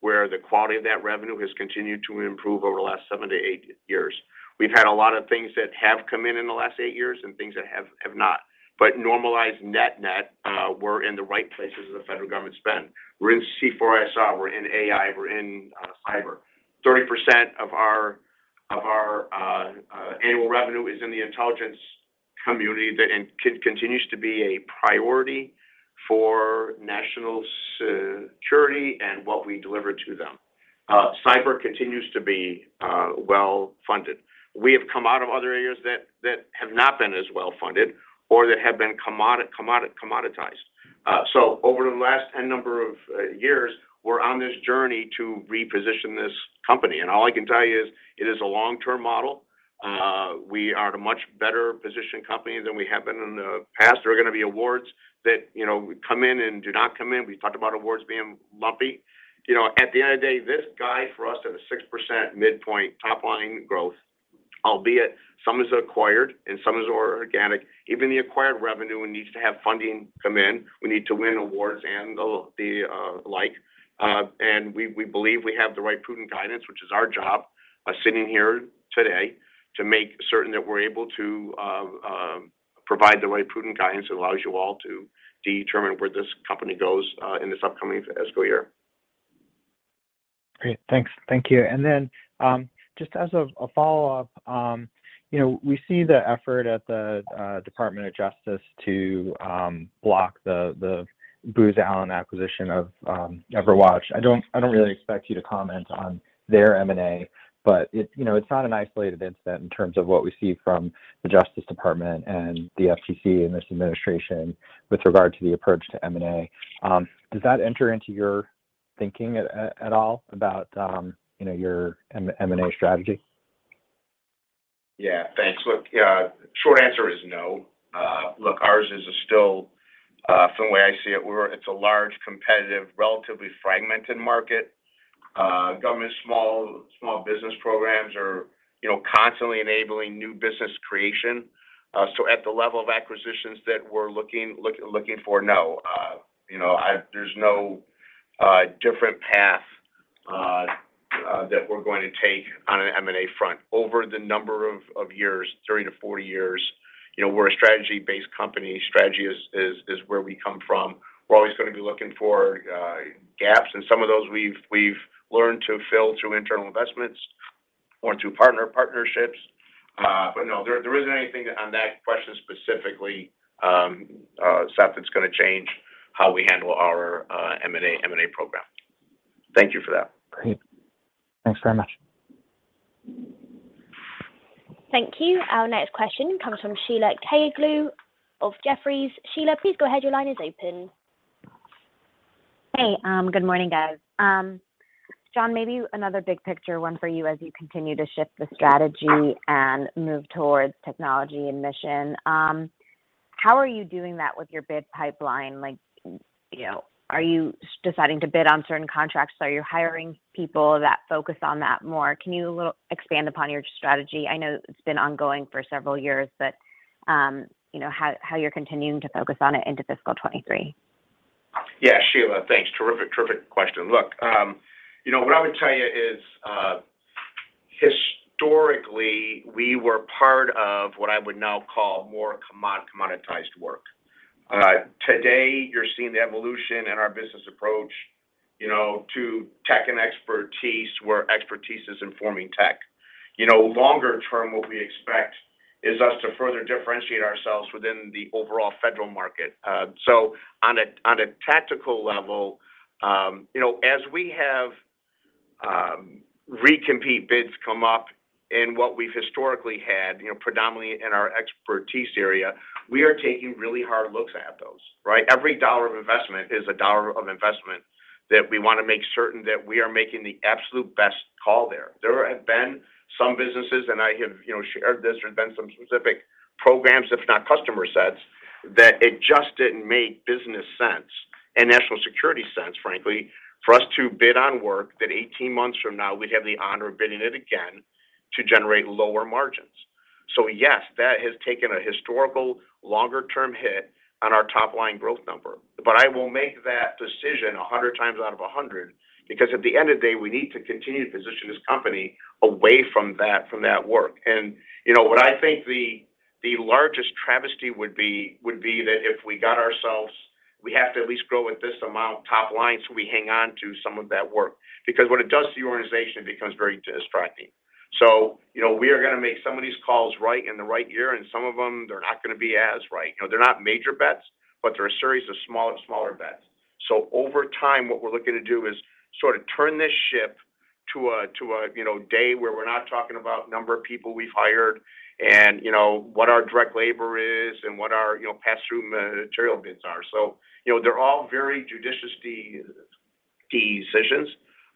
where the quality of that revenue has continued to improve over the last seven-eight years. We've had a lot of things that have come in in the last eight years and things that have not. Normalized net, we're in the right places as a federal government spend. We're in C4ISR, we're in AI, we're in cyber. 30% of our annual revenue is in the intelligence community, and that continues to be a priority for national security and what we deliver to them. Cyber continues to be well-funded. We have come out of other areas that have not been as well-funded or that have been commoditized. Over the last 10 years, we're on this journey to reposition this company, and all I can tell you is it is a long-term model. We are in a much better positioned company than we have been in the past. There are gonna be awards that, you know, come in and do not come in. We've talked about awards being lumpy. You know, at the end of the day, this gets us to a 6% midpoint top-line growth, albeit some is acquired and some is organic. Even the acquired revenue needs to have funding come in. We need to win awards and the like, and we believe we have the right prudent guidance, which is our job sitting here today to make certain that we're able to provide the right prudent guidance that allows you all to determine where this company goes in this upcoming fiscal year. Great. Thanks. Thank you. Then, just as a follow-up, you know, we see the effort at the Department of Justice to block the Booz Allen acquisition of EverWatch. I don't really expect you to comment on their M&A, but you know, it's not an isolated incident in terms of what we see from the Justice Department and the FTC and this administration with regard to the approach to M&A. Does that enter into your thinking at all about your M&A strategy? Yeah. Thanks. Look, yeah, short answer is no. Look, ours is still a, from the way I see it's a large, competitive, relatively fragmented market. Government small business programs are, you know, constantly enabling new business creation. At the level of acquisitions that we're looking for, no. You know, there's no different path that we're going to take on an M&A front. Over the number of years, 30-40 years, you know, we're a strategy-based company. Strategy is where we come from. We're always gonna be looking for gaps, and some of those we've learned to fill through internal investments or through partnerships. No, there isn't anything on that question specifically, Seth, that's gonna change how we handle our M&A program. Thank you for that. Great. Thanks very much. Thank you. Our next question comes from Sheila Kahyaoglu of Jefferies. Sheila, please go ahead. Your line is open. Hey. Good morning, guys. John, maybe another big picture one for you as you continue to shift the strategy and move towards technology and mission. How are you doing that with your bid pipeline? Like, you know, are you deciding to bid on certain contracts? Are you hiring people that focus on that more? Can you expand a little upon your strategy? I know it's been ongoing for several years, but, you know, how you're continuing to focus on it into fiscal 2023. Yeah. Sheila, thanks. Terrific question. Look, you know, what I would tell you is, historically, we were part of what I would now call more commoditized work. Today, you're seeing the evolution in our business approach, you know, to tech and expertise, where expertise is informing tech. You know, longer term, what we expect is us to further differentiate ourselves within the overall federal market. So on a tactical level, you know, as we have recompete bids come up in what we've historically had, you know, predominantly in our expertise area, we are taking really hard looks at those, right? Every dollar of investment is a dollar of investment that we wanna make certain that we are making the absolute best call there. There have been some businesses, and I have, you know, shared this, there have been some specific programs, if not customer sets, that it just didn't make business sense and national security sense, frankly, for us to bid on work that eighteen months from now we'd have the honor of bidding it again to generate lower margins. Yes, that has taken a historical longer-term hit on our top line growth number. I will make that decision a hundred times out of a hundred, because at the end of the day, we need to continue to position this company away from that, from that work. You know what I think the largest travesty would be, that if we have to at least grow at this amount top line, so we hang on to some of that work. Because what it does to the organization, it becomes very distracting. You know, we are gonna make some of these calls right in the right ear, and some of them they're not gonna be as right. You know, they're not major bets, but they're a series of smaller bets. Over time, what we're looking to do is sort of turn this ship to a you know, day where we're not talking about number of people we've hired and, you know, what our direct labor is and what our, you know, pass-through material bids are. You know, they're all very judicious decisions.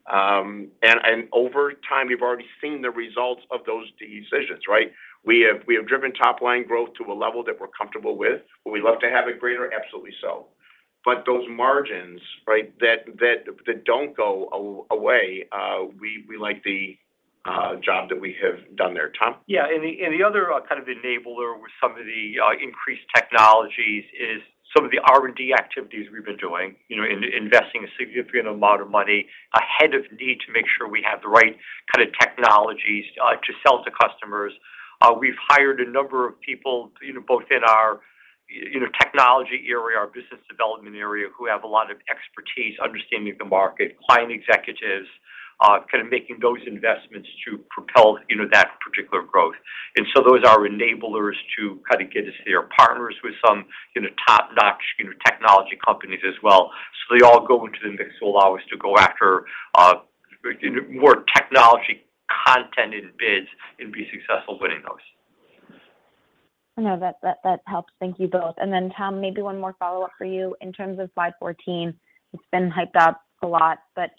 And over time, we've already seen the results of those decisions, right? We have driven top line growth to a level that we're comfortable with. Would we love to have it greater? Absolutely so. Those margins, right? That don't go away, we like the job that we have done there. Tom? Yeah. The other kind of enabler with some of the increased technologies is some of the R&D activities we've been doing, you know, in investing a significant amount of money ahead of need to make sure we have the right kind of technologies to sell to customers. We've hired a number of people, you know, both in our, you know, technology area, our business development area, who have a lot of expertise understanding the market, client executives, kind of making those investments to propel, you know, that particular growth. Those are enablers to kind of get us there. Partners with some, you know, top-notch, you know, technology companies as well. They all go into the mix to allow us to go after more technology content in bids and be successful winning those. No, that helps. Thank you both. Tom, maybe one more follow-up for you. In terms of slide 14, it's been hyped up a lot, but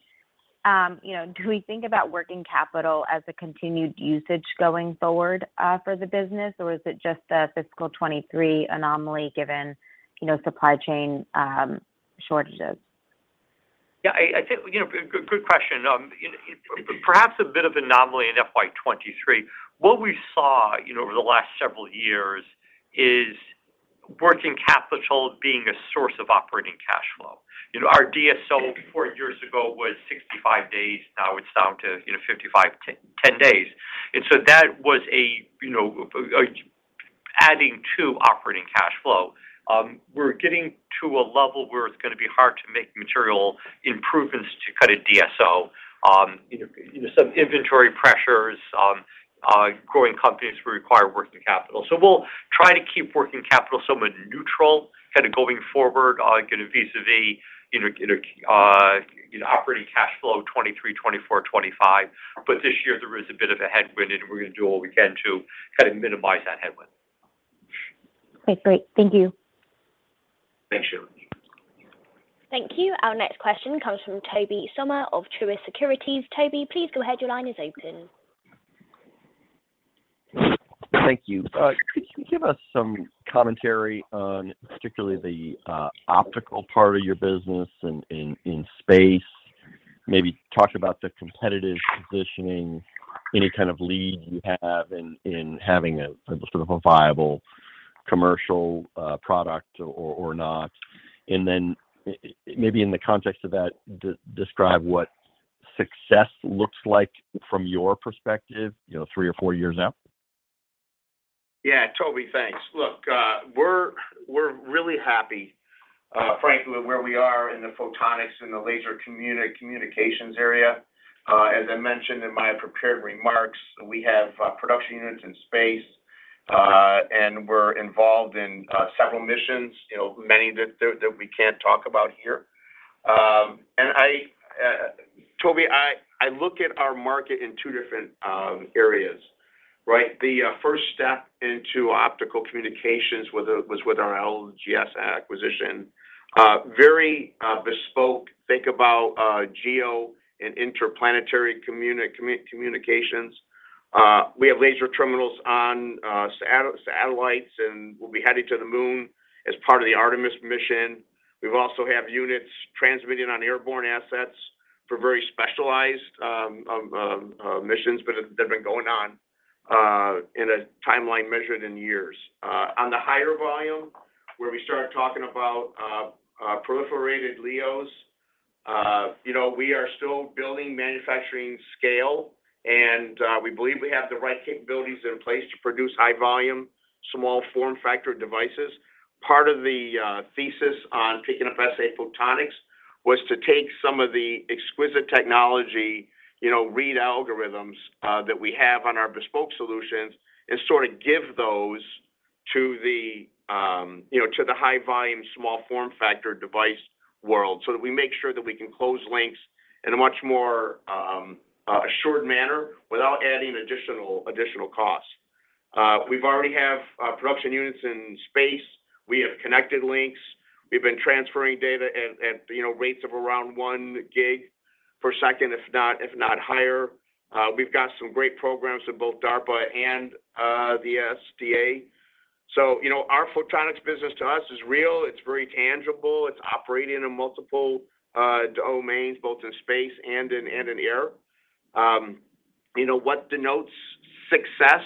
you know, do we think about working capital as a continued usage going forward for the business, or is it just a fiscal 2023 anomaly given you know, supply chain shortages? Yeah, I think you know good question. Perhaps a bit of anomaly in FY 2023. What we saw you know over the last several years is working capital being a source of operating cash flow. You know, our DSO four years ago was 65 days. Now it's down to 55-60 days. And so that was adding to operating cash flow. We're getting to a level where it's gonna be hard to make material improvements to cut a DSO. You know, some inventory pressures growing companies will require working capital. We'll try to keep working capital somewhat neutral kind of going forward vis-à-vis operating cash flow 2023, 2024, 2025. This year there is a bit of a headwind, and we're gonna do all we can to kind of minimize that headwind. Okay, great. Thank you. Thanks, Sheila. Thank you. Our next question comes from Tobey Sommer of Truist Securities. Toby, please go ahead. Your line is open. Thank you. Could you give us some commentary on particularly the optical part of your business in space? Maybe talk about the competitive positioning, any kind of lead you have in having a sort of a viable commercial product or not? Maybe in the context of that describe what success looks like from your perspective, you know, three or four years out. Yeah. Toby, thanks. Look, we're really happy, frankly with where we are in the photonics and the laser communications area. As I mentioned in my prepared remarks, we have production units in space, and we're involved in several missions, you know, many that we can't talk about here. Toby, I look at our market in two different areas, right? The first step into optical communications was with our LGS acquisition. Very bespoke. Think about GEO and interplanetary communications. We have laser terminals on satellites, and we'll be heading to the moon as part of the Artemis mission. We also have units transmitting on airborne assets for very specialized missions, but they've been going on in a timeline measured in years. On the higher volume where we start talking about proliferated LEOs, you know, we are still building manufacturing scale, and we believe we have the right capabilities in place to produce high volume, small form factor devices. Part of the thesis on picking up SA Photonics was to take some of the exquisite technology, you know, read algorithms that we have on our bespoke solutions and sort of give those to the high volume, small form factor device world so that we make sure that we can close links in a much more assured manner without adding additional costs. We've already have production units in space. We have connected links. We've been transferring data at, you know, rates of around 1 Gbps, if not higher. We've got some great programs in both DARPA and the SDA. You know, our photonics business to us is real. It's very tangible. It's operating in multiple domains, both in space and in air. You know what denotes success?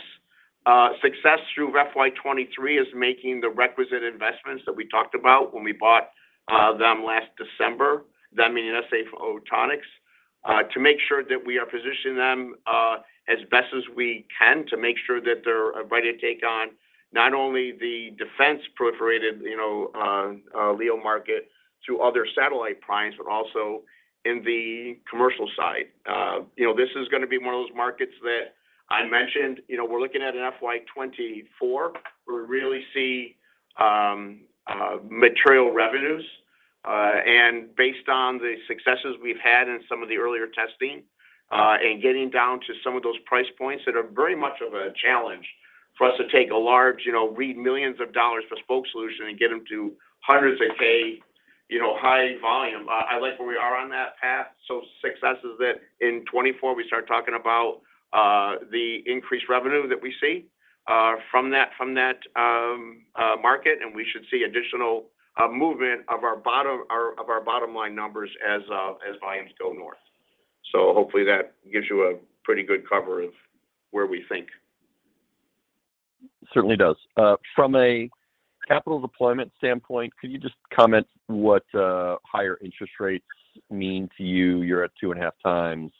Success through FY 2023 is making the requisite investments that we talked about when we bought them last December. That meaning SA Photonics to make sure that we are positioning them as best as we can to make sure that they're ready to take on not only the defense proliferated, you know, LEO market through other satellite primes, but also in the commercial side. You know, this is gonna be one of those markets that I mentioned. You know, we're looking at an FY 2024 where we really see material revenues, and based on the successes we've had in some of the earlier testing, and getting down to some of those price points that are very much of a challenge for us to take a large, you know, real millions of dollars bespoke solution and get them to hundreds of K, you know, high volume. I like where we are on that path. Success is that in 2024 we start talking about the increased revenue that we see from that market, and we should see additional movement of our bottom line numbers as volumes go north. Hopefully that gives you a pretty good cover of where we think. Certainly does. From a capital deployment standpoint, could you just comment what higher interest rates mean to you? You're at 2.5x.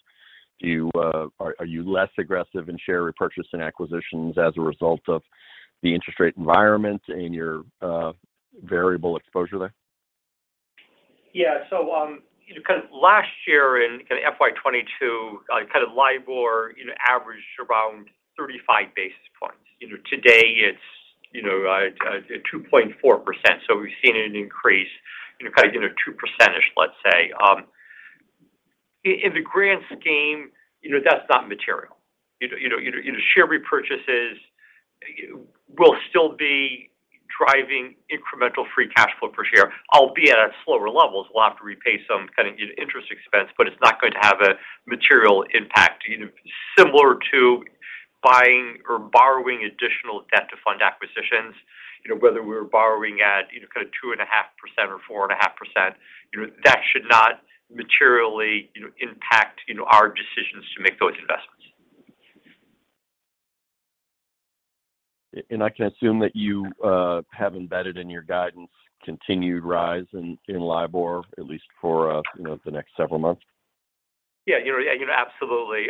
Are you less aggressive in share repurchase and acquisitions as a result of the interest rate environment and your variable exposure there? Yeah. You know, kind of last year in FY 2022, kind of LIBOR you know averaged around 35 basis points. You know, today it's you know 2.4%. We've seen an increase, you know, kind of, you know, 2 percentage points, let's say. In the grand scheme, you know, that's not material. You know, share repurchases will still be driving incremental free cash flow per share, albeit at slower levels. We'll have to pay some kind of, you know, interest expense, but it's not going to have a material impact. You know, similar to buying or borrowing additional debt to fund acquisitions, you know, whether we're borrowing at, you know, kind of 2.5% or 4.5%, you know, that should not materially, you know, impact, you know, our decisions to make those investments. I can assume that you have embedded in your guidance continued rise in LIBOR at least for you know the next several months. Yeah. You know, absolutely.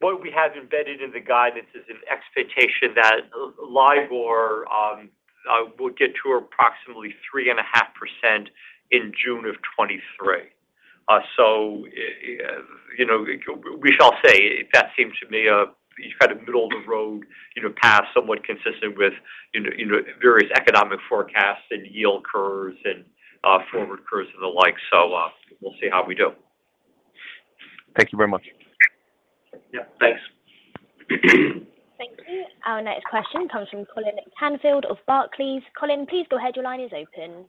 What we have embedded in the guidance is an expectation that LIBOR will get to approximately 3.5% in June of 2023. You know, we shall say that seems to me a kind of middle of the road, you know, path, somewhat consistent with, you know, various economic forecasts and yield curves and, forward curves and the like. We'll see how we do. Thank you very much. Yeah, thanks. Thank you. Our next question comes from Colin Canfield of Barclays. Colin, please go ahead. Your line is open.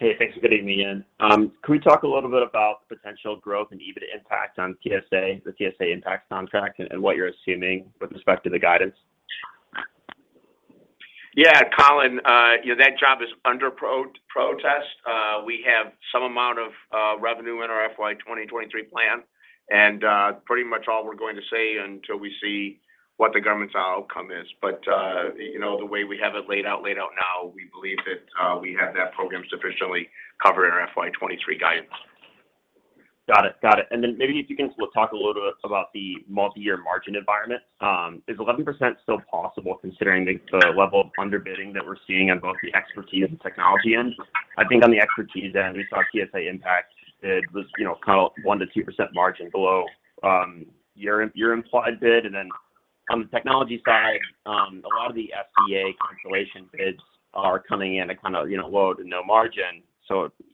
Hey, thanks for getting me in. Can we talk a little bit about potential growth and EBIT impact on TSA, the TSA impact contract and what you're assuming with respect to the guidance? Yeah, Colin, you know, that job is under protest. We have some amount of revenue in our FY 2023 plan, and pretty much all we're going to say until we see what the government's outcome is. You know, the way we have it laid out now, we believe that we have that program sufficiently covered in our FY 2023 guidance. Got it. Maybe if you can talk a little bit about the multi-year margin environment. Is 11% still possible considering the level of underbidding that we're seeing on both the expertise and technology end? I think on the expertise end, we saw TSA impact. It was, you know, kind of 1%-2% margin below your implied bid. On the technology side, a lot of the SDA constellation bids are coming in at kind of, you know, low to no margin.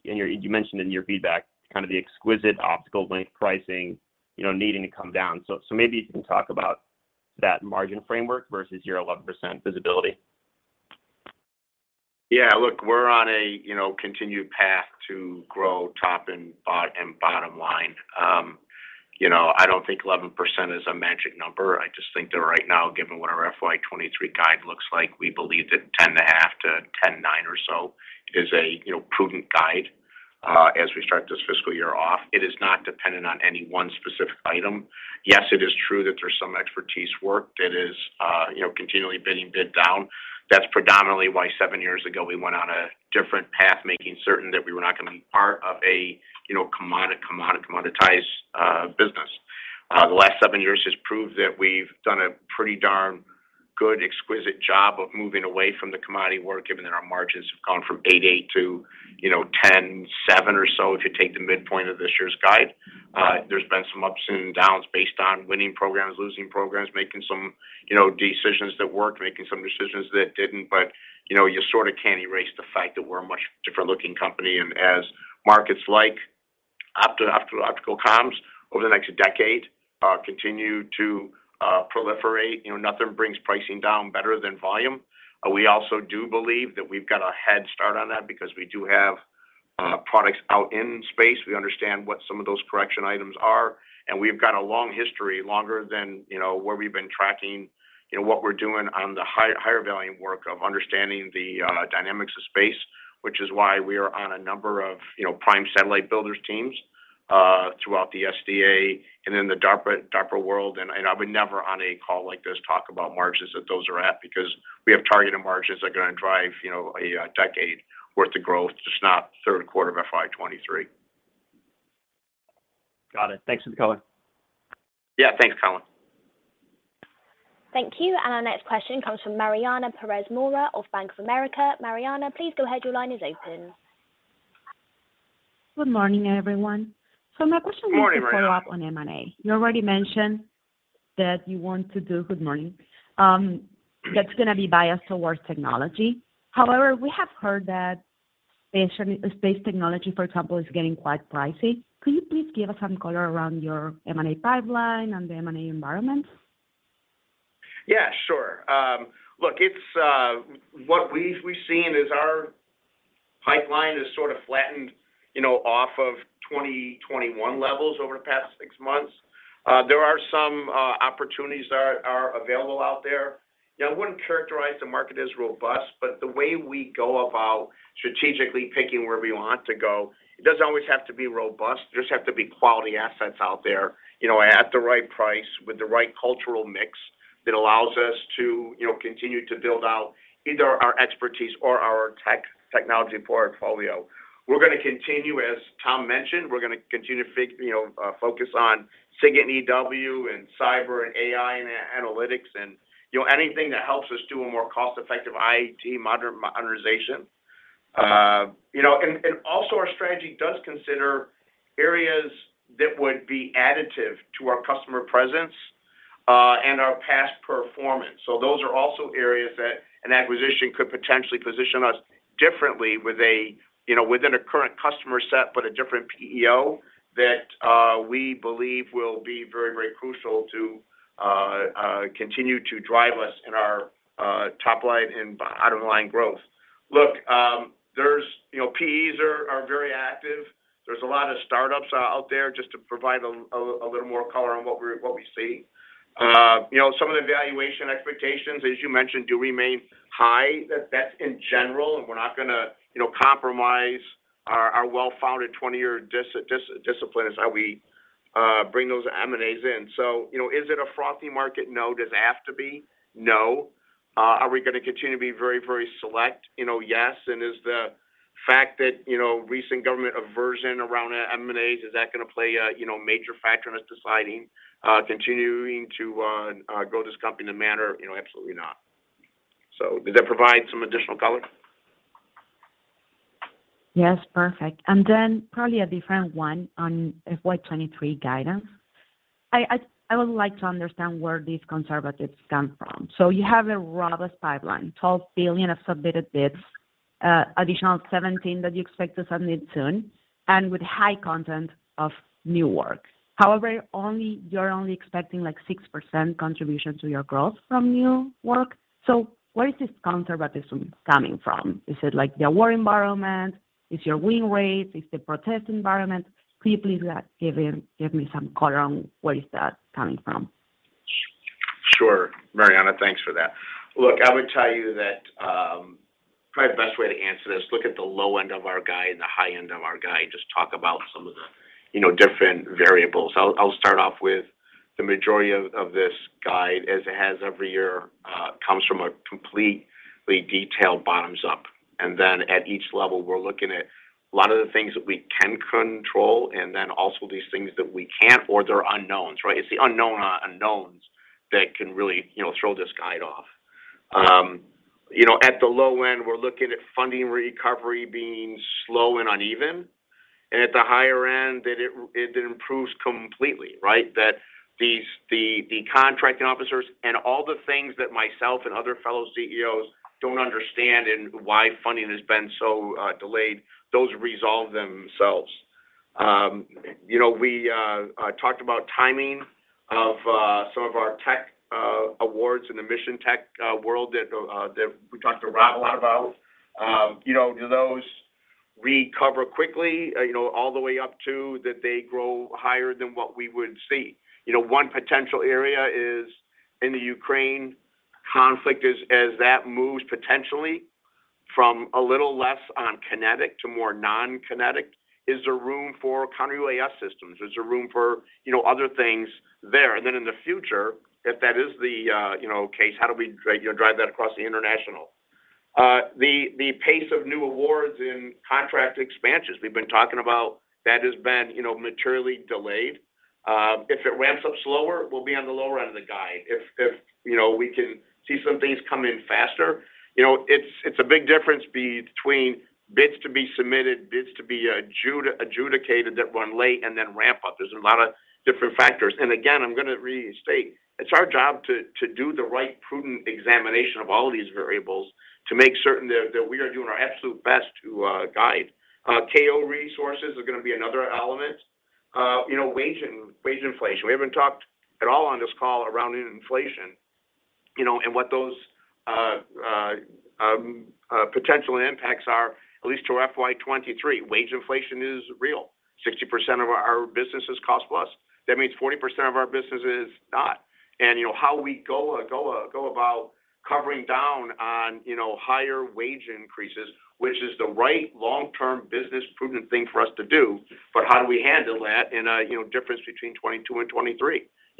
You mentioned in your feedback kind of the exquisite optical link pricing, you know, needing to come down. Maybe you can talk about that margin framework versus your 11% visibility. Yeah, look, we're on a, you know, continued path to grow top and bottom line. You know, I don't think 11% is a magic number. I just think that right now, given what our FY 2023 guide looks like, we believe that 10.5%-10.9% or so is a, you know, prudent guide, as we start this fiscal year off. It is not dependent on any one specific item. Yes, it is true that there's some expertise work that is, you know, continually bidding down. That's predominantly why seven years ago we went on a different path, making certain that we were not going to be part of a, you know, commoditized, business. The last seven years has proved that we've done a pretty darn good exquisite job of moving away from the commodity work, given that our margins have gone from 8.8% to, you know, 10.7% or so, if you take the midpoint of this year's guide. There's been some ups and downs based on winning programs, losing programs, making some, you know, decisions that worked, making some decisions that didn't. You sort of can't erase the fact that we're a much different looking company. As markets like optical comms over the next decade continue to proliferate, you know, nothing brings pricing down better than volume. We also do believe that we've got a head start on that because we do have products out in space. We understand what some of those correction items are, and we've got a long history, longer than, you know, where we've been tracking, you know, what we're doing on the higher volume work of understanding the dynamics of space, which is why we are on a number of, you know, prime satellite builders teams throughout the SDA and in the DARPA world. I would never on a call like this talk about margins that those are at because we have targeted margins that are gonna drive, you know, a decade worth of growth. Just not third quarter of FY 2023. Got it. Thanks for the color. Yeah. Thanks, Colin. Thank you. Our next question comes from Mariana Perez Mora of Bank of America. Mariana, please go ahead. Your line is open. Good morning, everyone. My question- Good morning, Mariana. Is to follow up on M&A. Good morning. That's gonna be biased towards technology. However, we have heard that space technology, for example, is getting quite pricey. Could you please give us some color around your M&A pipeline and the M&A environment? Yeah, sure. Look, it's what we've seen is our pipeline has sort of flattened, you know, off of 2021 levels over the past six months. There are some opportunities that are available out there. You know, I wouldn't characterize the market as robust, but the way we go about strategically picking where we want to go, it doesn't always have to be robust. There just have to be quality assets out there, you know, at the right price with the right cultural mix that allows us to, you know, continue to build out either our expertise or our technology portfolio. We're gonna continue, as Tom mentioned, we're gonna continue to focus on SIGINT EW and cyber and AI and analytics and, you know, anything that helps us do a more cost-effective IT modernization. You know, our strategy does consider areas that would be additive to our customer presence and our past performance. Those are also areas that an acquisition could potentially position us differently with a, you know, within a current customer set, but a different PEO that we believe will be very crucial to continue to drive us in our top line and bottom line growth. Look, you know, PEs are very active. There's a lot of startups out there just to provide a little more color on what we see. You know, some of the valuation expectations, as you mentioned, do remain high. That's in general, and we're not gonna, you know, compromise our well-founded 20-year discipline is how we bring those M&As in. You know, is it a frothy market? No. Does it have to be? No. Are we gonna continue to be very, very select? You know, yes. Is the fact that, you know, recent government aversion around M&As, is that gonna play a, you know, major factor in us deciding, continuing to grow this company in a manner? You know, absolutely not. Did that provide some additional color? Yes. Perfect. Probably a different one on FY 2023 guidance. I would like to understand where this conservatism comes from. You have a robust pipeline, $12 billion of submitted bids, additional 17 that you expect to submit soon, and with high content of new work. However, you're only expecting, like, 6% contribution to your growth from new work. Where is this conservatism coming from? Is it, like, the war environment? It's your win rates? It's the protest environment? Could you please give me some color on where is that coming from? Sure. Mariana, thanks for that. Look, I would tell you that probably the best way to answer this, look at the low end of our guide and the high end of our guide, just talk about some of the, you know, different variables. I'll start off with the majority of this guide as it has every year comes from a completely detailed bottoms up. Then at each level, we're looking at a lot of the things that we can control and then also these things that we can't or they're unknowns, right? It's the unknown unknowns that can really, you know, throw this guide off. You know, at the low end, we're looking at funding recovery being slow and uneven. At the higher end that it improves completely, right? That the contracting officers and all the things that myself and other fellow CEOs don't understand and why funding has been so delayed, those resolve themselves. You know, we talked about timing of some of our tech awards in the mission tech world that we talked a lot about. You know, do those recover quickly, you know, all the way up to that they grow higher than what we would see. You know, one potential area is in the Ukraine conflict as that moves potentially from a little less on kinetic to more non-kinetic, is there room for counter-UAS systems? Is there room for, you know, other things there? In the future, if that is the, you know, case, how do we drive that across the international? The pace of new awards and contract expansions we've been talking about, that has been, you know, materially delayed. If it ramps up slower, we'll be on the lower end of the guide. If you know, we can see some things come in faster, you know, it's a big difference between bids to be submitted, bids to be adjudicated that run late and then ramp up. There's a lot of different factors. Again, I'm gonna restate, it's our job to do the right prudent examination of all these variables to make certain that we are doing our absolute best to guide. KO resources are gonna be another element. You know, wage inflation. We haven't talked at all on this call around inflation. You know what those potential impacts are, at least through FY 2023. Wage inflation is real. 60% of our business is cost plus. That means 40% of our business is not. You know how we go about covering down on higher wage increases, which is the right long-term business prudent thing for us to do. How do we handle that in a difference between 2022 and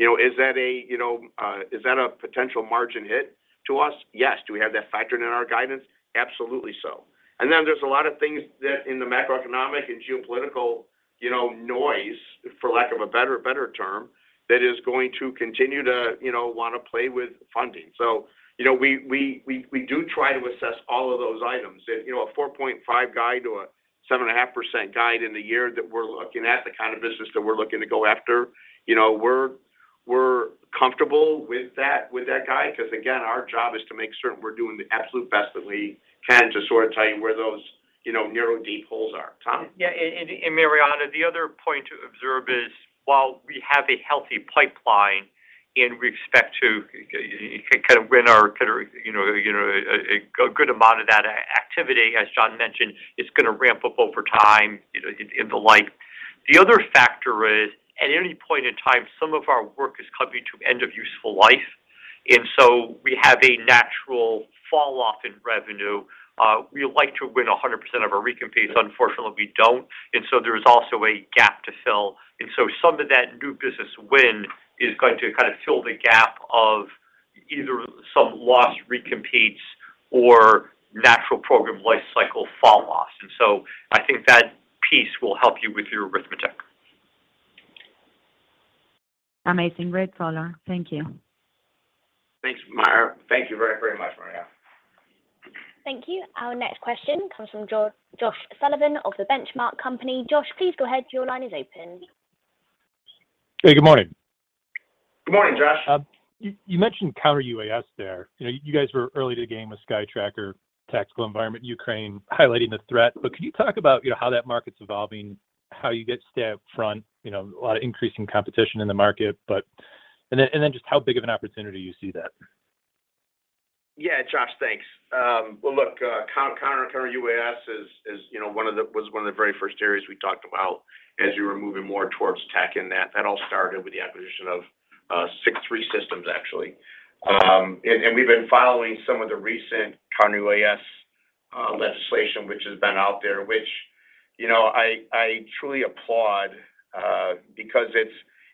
2023. You know, is that a potential margin hit to us? Yes. Do we have that factored in our guidance? Absolutely so. There's a lot of things that in the macroeconomic and geopolitical, you know, noise, for lack of a better term, that is going to continue to, you know, want to play with funding. You know, we do try to assess all of those items. You know, a 4.5 guide or a 7.5% guide in the year that we're looking at, the kind of business that we're looking to go after. You know, we're comfortable with that guide because again, our job is to make certain we're doing the absolute best that we can to sort of tell you where those, you know, narrow deep holes are. Tom? Yeah. Mariana, the other point to observe is while we have a healthy pipeline in respect to kind of when our, you know, a good amount of that activity, as John mentioned, is going to ramp up over time, you know, and the like. The other factor is, at any point in time, some of our work is coming to end of useful life. We have a natural falloff in revenue. We like to win 100% of our recompetes. Unfortunately, we don't. There is also a gap to fill. Some of that new business win is going to kind of fill the gap of either some lost recompetes or natural program life cycle falloff. I think that piece will help you with your arithmetic. Amazing. Great follow-up. Thank you. Thanks, Mara. Thank you very, very much, Mariana. Thank you. Our next question comes from Josh Sullivan of The Benchmark Company. Josh, please go ahead. Your line is open. Hey, good morning. Good morning, Josh. You mentioned counter-UAS there. You know, you guys were early to the game with SkyTracker, tactical environment, Ukraine highlighting the threat. Can you talk about, you know, how that market's evolving, how you get to stay up front, you know, a lot of increasing competition in the market, and then just how big of an opportunity you see that. Yeah, Josh, thanks. Counter-UAS is, you know, one of the very first areas we talked about as we were moving more towards tech. That all started with the acquisition of Six3 Systems, actually. We've been following some of the recent counter-UAS legislation which has been out there, which, you know, I truly applaud because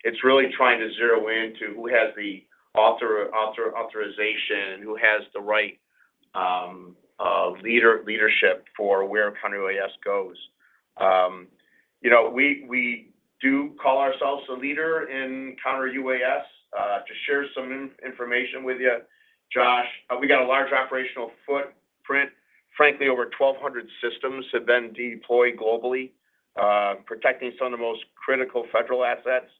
it's really trying to zero in to who has the authorization, who has the right leadership for where counter-UAS goes. You know, we do call ourselves a leader in counter-UAS. To share some information with you, Josh, we got a large operational footprint. Frankly, over 1,200 systems have been deployed globally, protecting some of the most critical federal assets.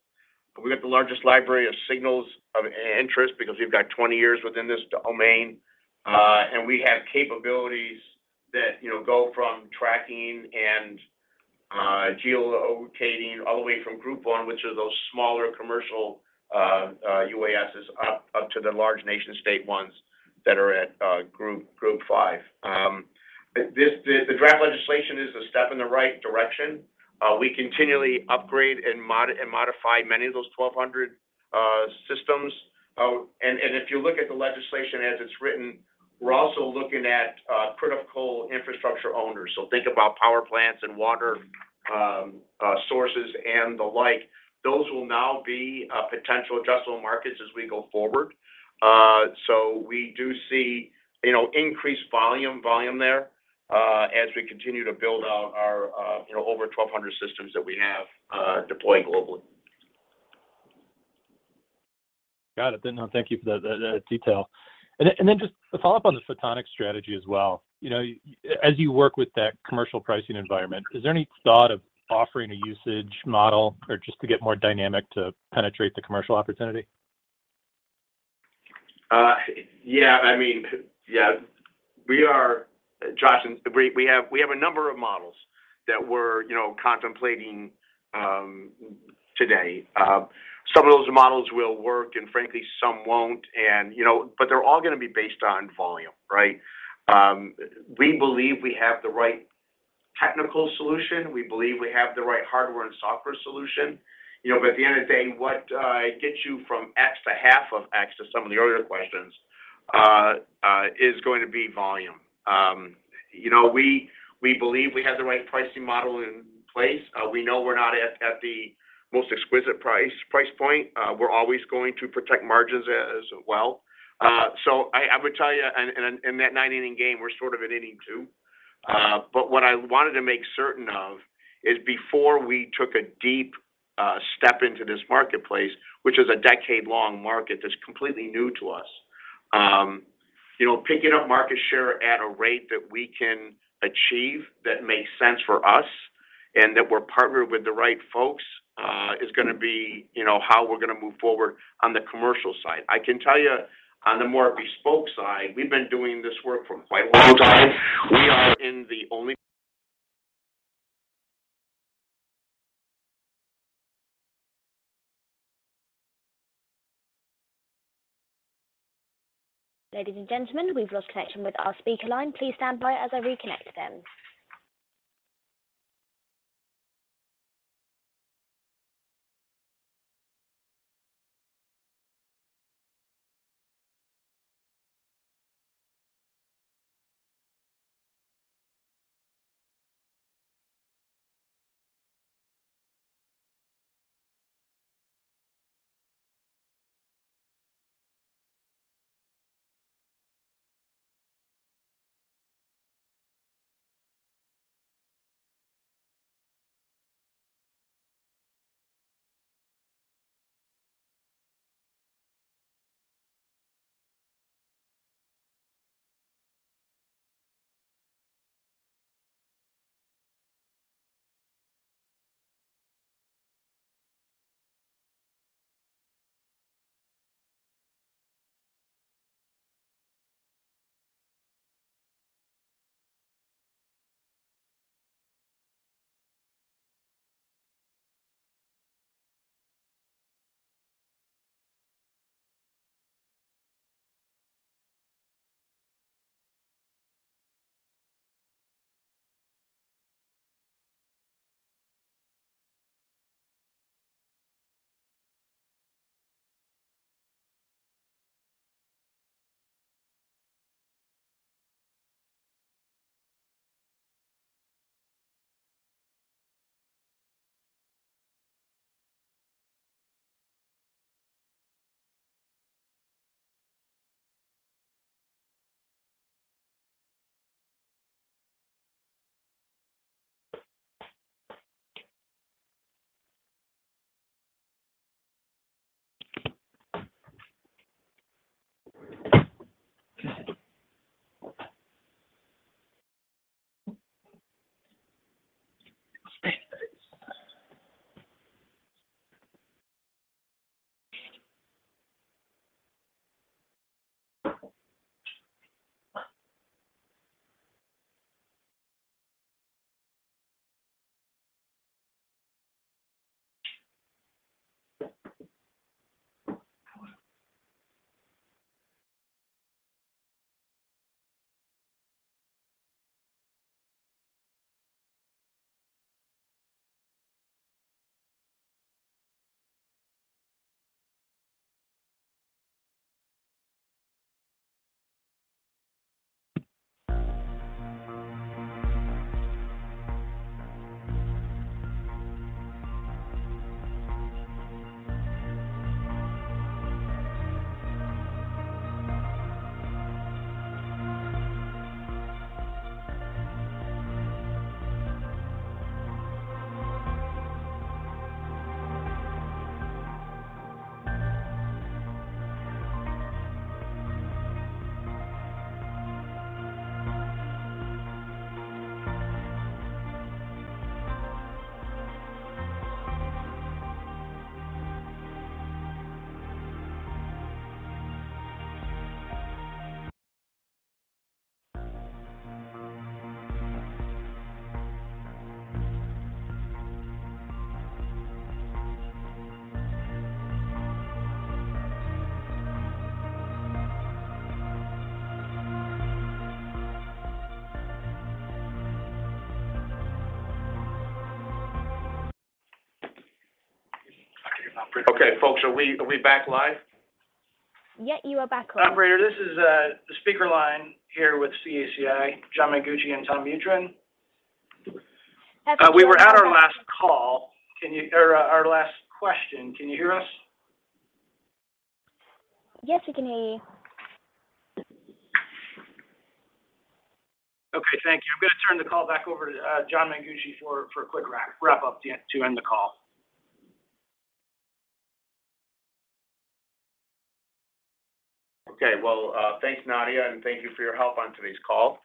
We've got the largest library of signals of interest because we've got 20 years within this domain. We have capabilities that, you know, go from tracking and geolocating all the way from Group One, which are those smaller commercial UASs up to the large nation-state ones that are at Group Five. The draft legislation is a step in the right direction. We continually upgrade and modify many of those 1,200 systems. If you look at the legislation as it's written, we're also looking at critical infrastructure owners. Think about power plants and water sources and the like. Those will now be potential addressable markets as we go forward. We do see, you know, increased volume there, as we continue to build out our, you know, over 1,200 systems that we have deployed globally. Got it. Thank you for that detail. Just a follow-up on the photonic strategy as well. You know, as you work with that commercial pricing environment, is there any thought of offering a usage model or just to get more dynamic to penetrate the commercial opportunity? Yeah, I mean, yeah. We are, Josh. We have a number of models that we're, you know, contemplating today. Some of those models will work, and frankly, some won't. You know, but they're all gonna be based on volume, right? We believe we have the right technical solution. We believe we have the right hardware and software solution. You know, but at the end of the day, what gets you from X to half of X, to some of the earlier questions, is going to be volume. You know, we believe we have the right pricing model in place. We know we're not at the most exquisite price point. We're always going to protect margins as well. I would tell you in that nine-inning game, we're sort of at inning two. What I wanted to make certain of is before we took a deep step into this marketplace, which is a decade-long market that's completely new to us, you know, picking up market share at a rate that we can achieve that makes sense for us and that we're partnered with the right folks, is gonna be, you know, how we're gonna move forward on the commercial side. I can tell you on the more bespoke side, we've been doing this work for quite a long time. We are in the only Ladies and gentlemen, we've lost connection with our speaker line. Please stand by as I reconnect them. Okay, folks. Are we back live? Yes, you are back live. Operator, this is the speaker line here with CACI, John Mengucci and Tom Mutryn. We were at our last call. Or our last question. Can you hear us? Yes, we can hear you. Okay. Thank you. I'm gonna turn the call back over to John Mengucci for a quick wrap up to end the call. Okay. Well, thanks, Nadia, and thank you for your help on today's call.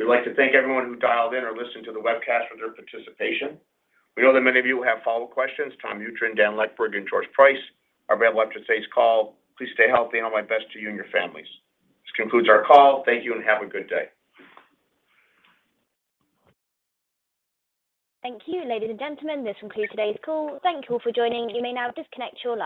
We'd like to thank everyone who dialed in or listened to the webcast for their participation. We know that many of you will have follow questions. Tom Mutryn, Dan Leckburg, and George Price are available after today's call. Please stay healthy, and all my best to you and your families. This concludes our call. Thank you, and have a good day. Thank you, ladies and gentlemen. This concludes today's call. Thank you all for joining. You may now disconnect your lines.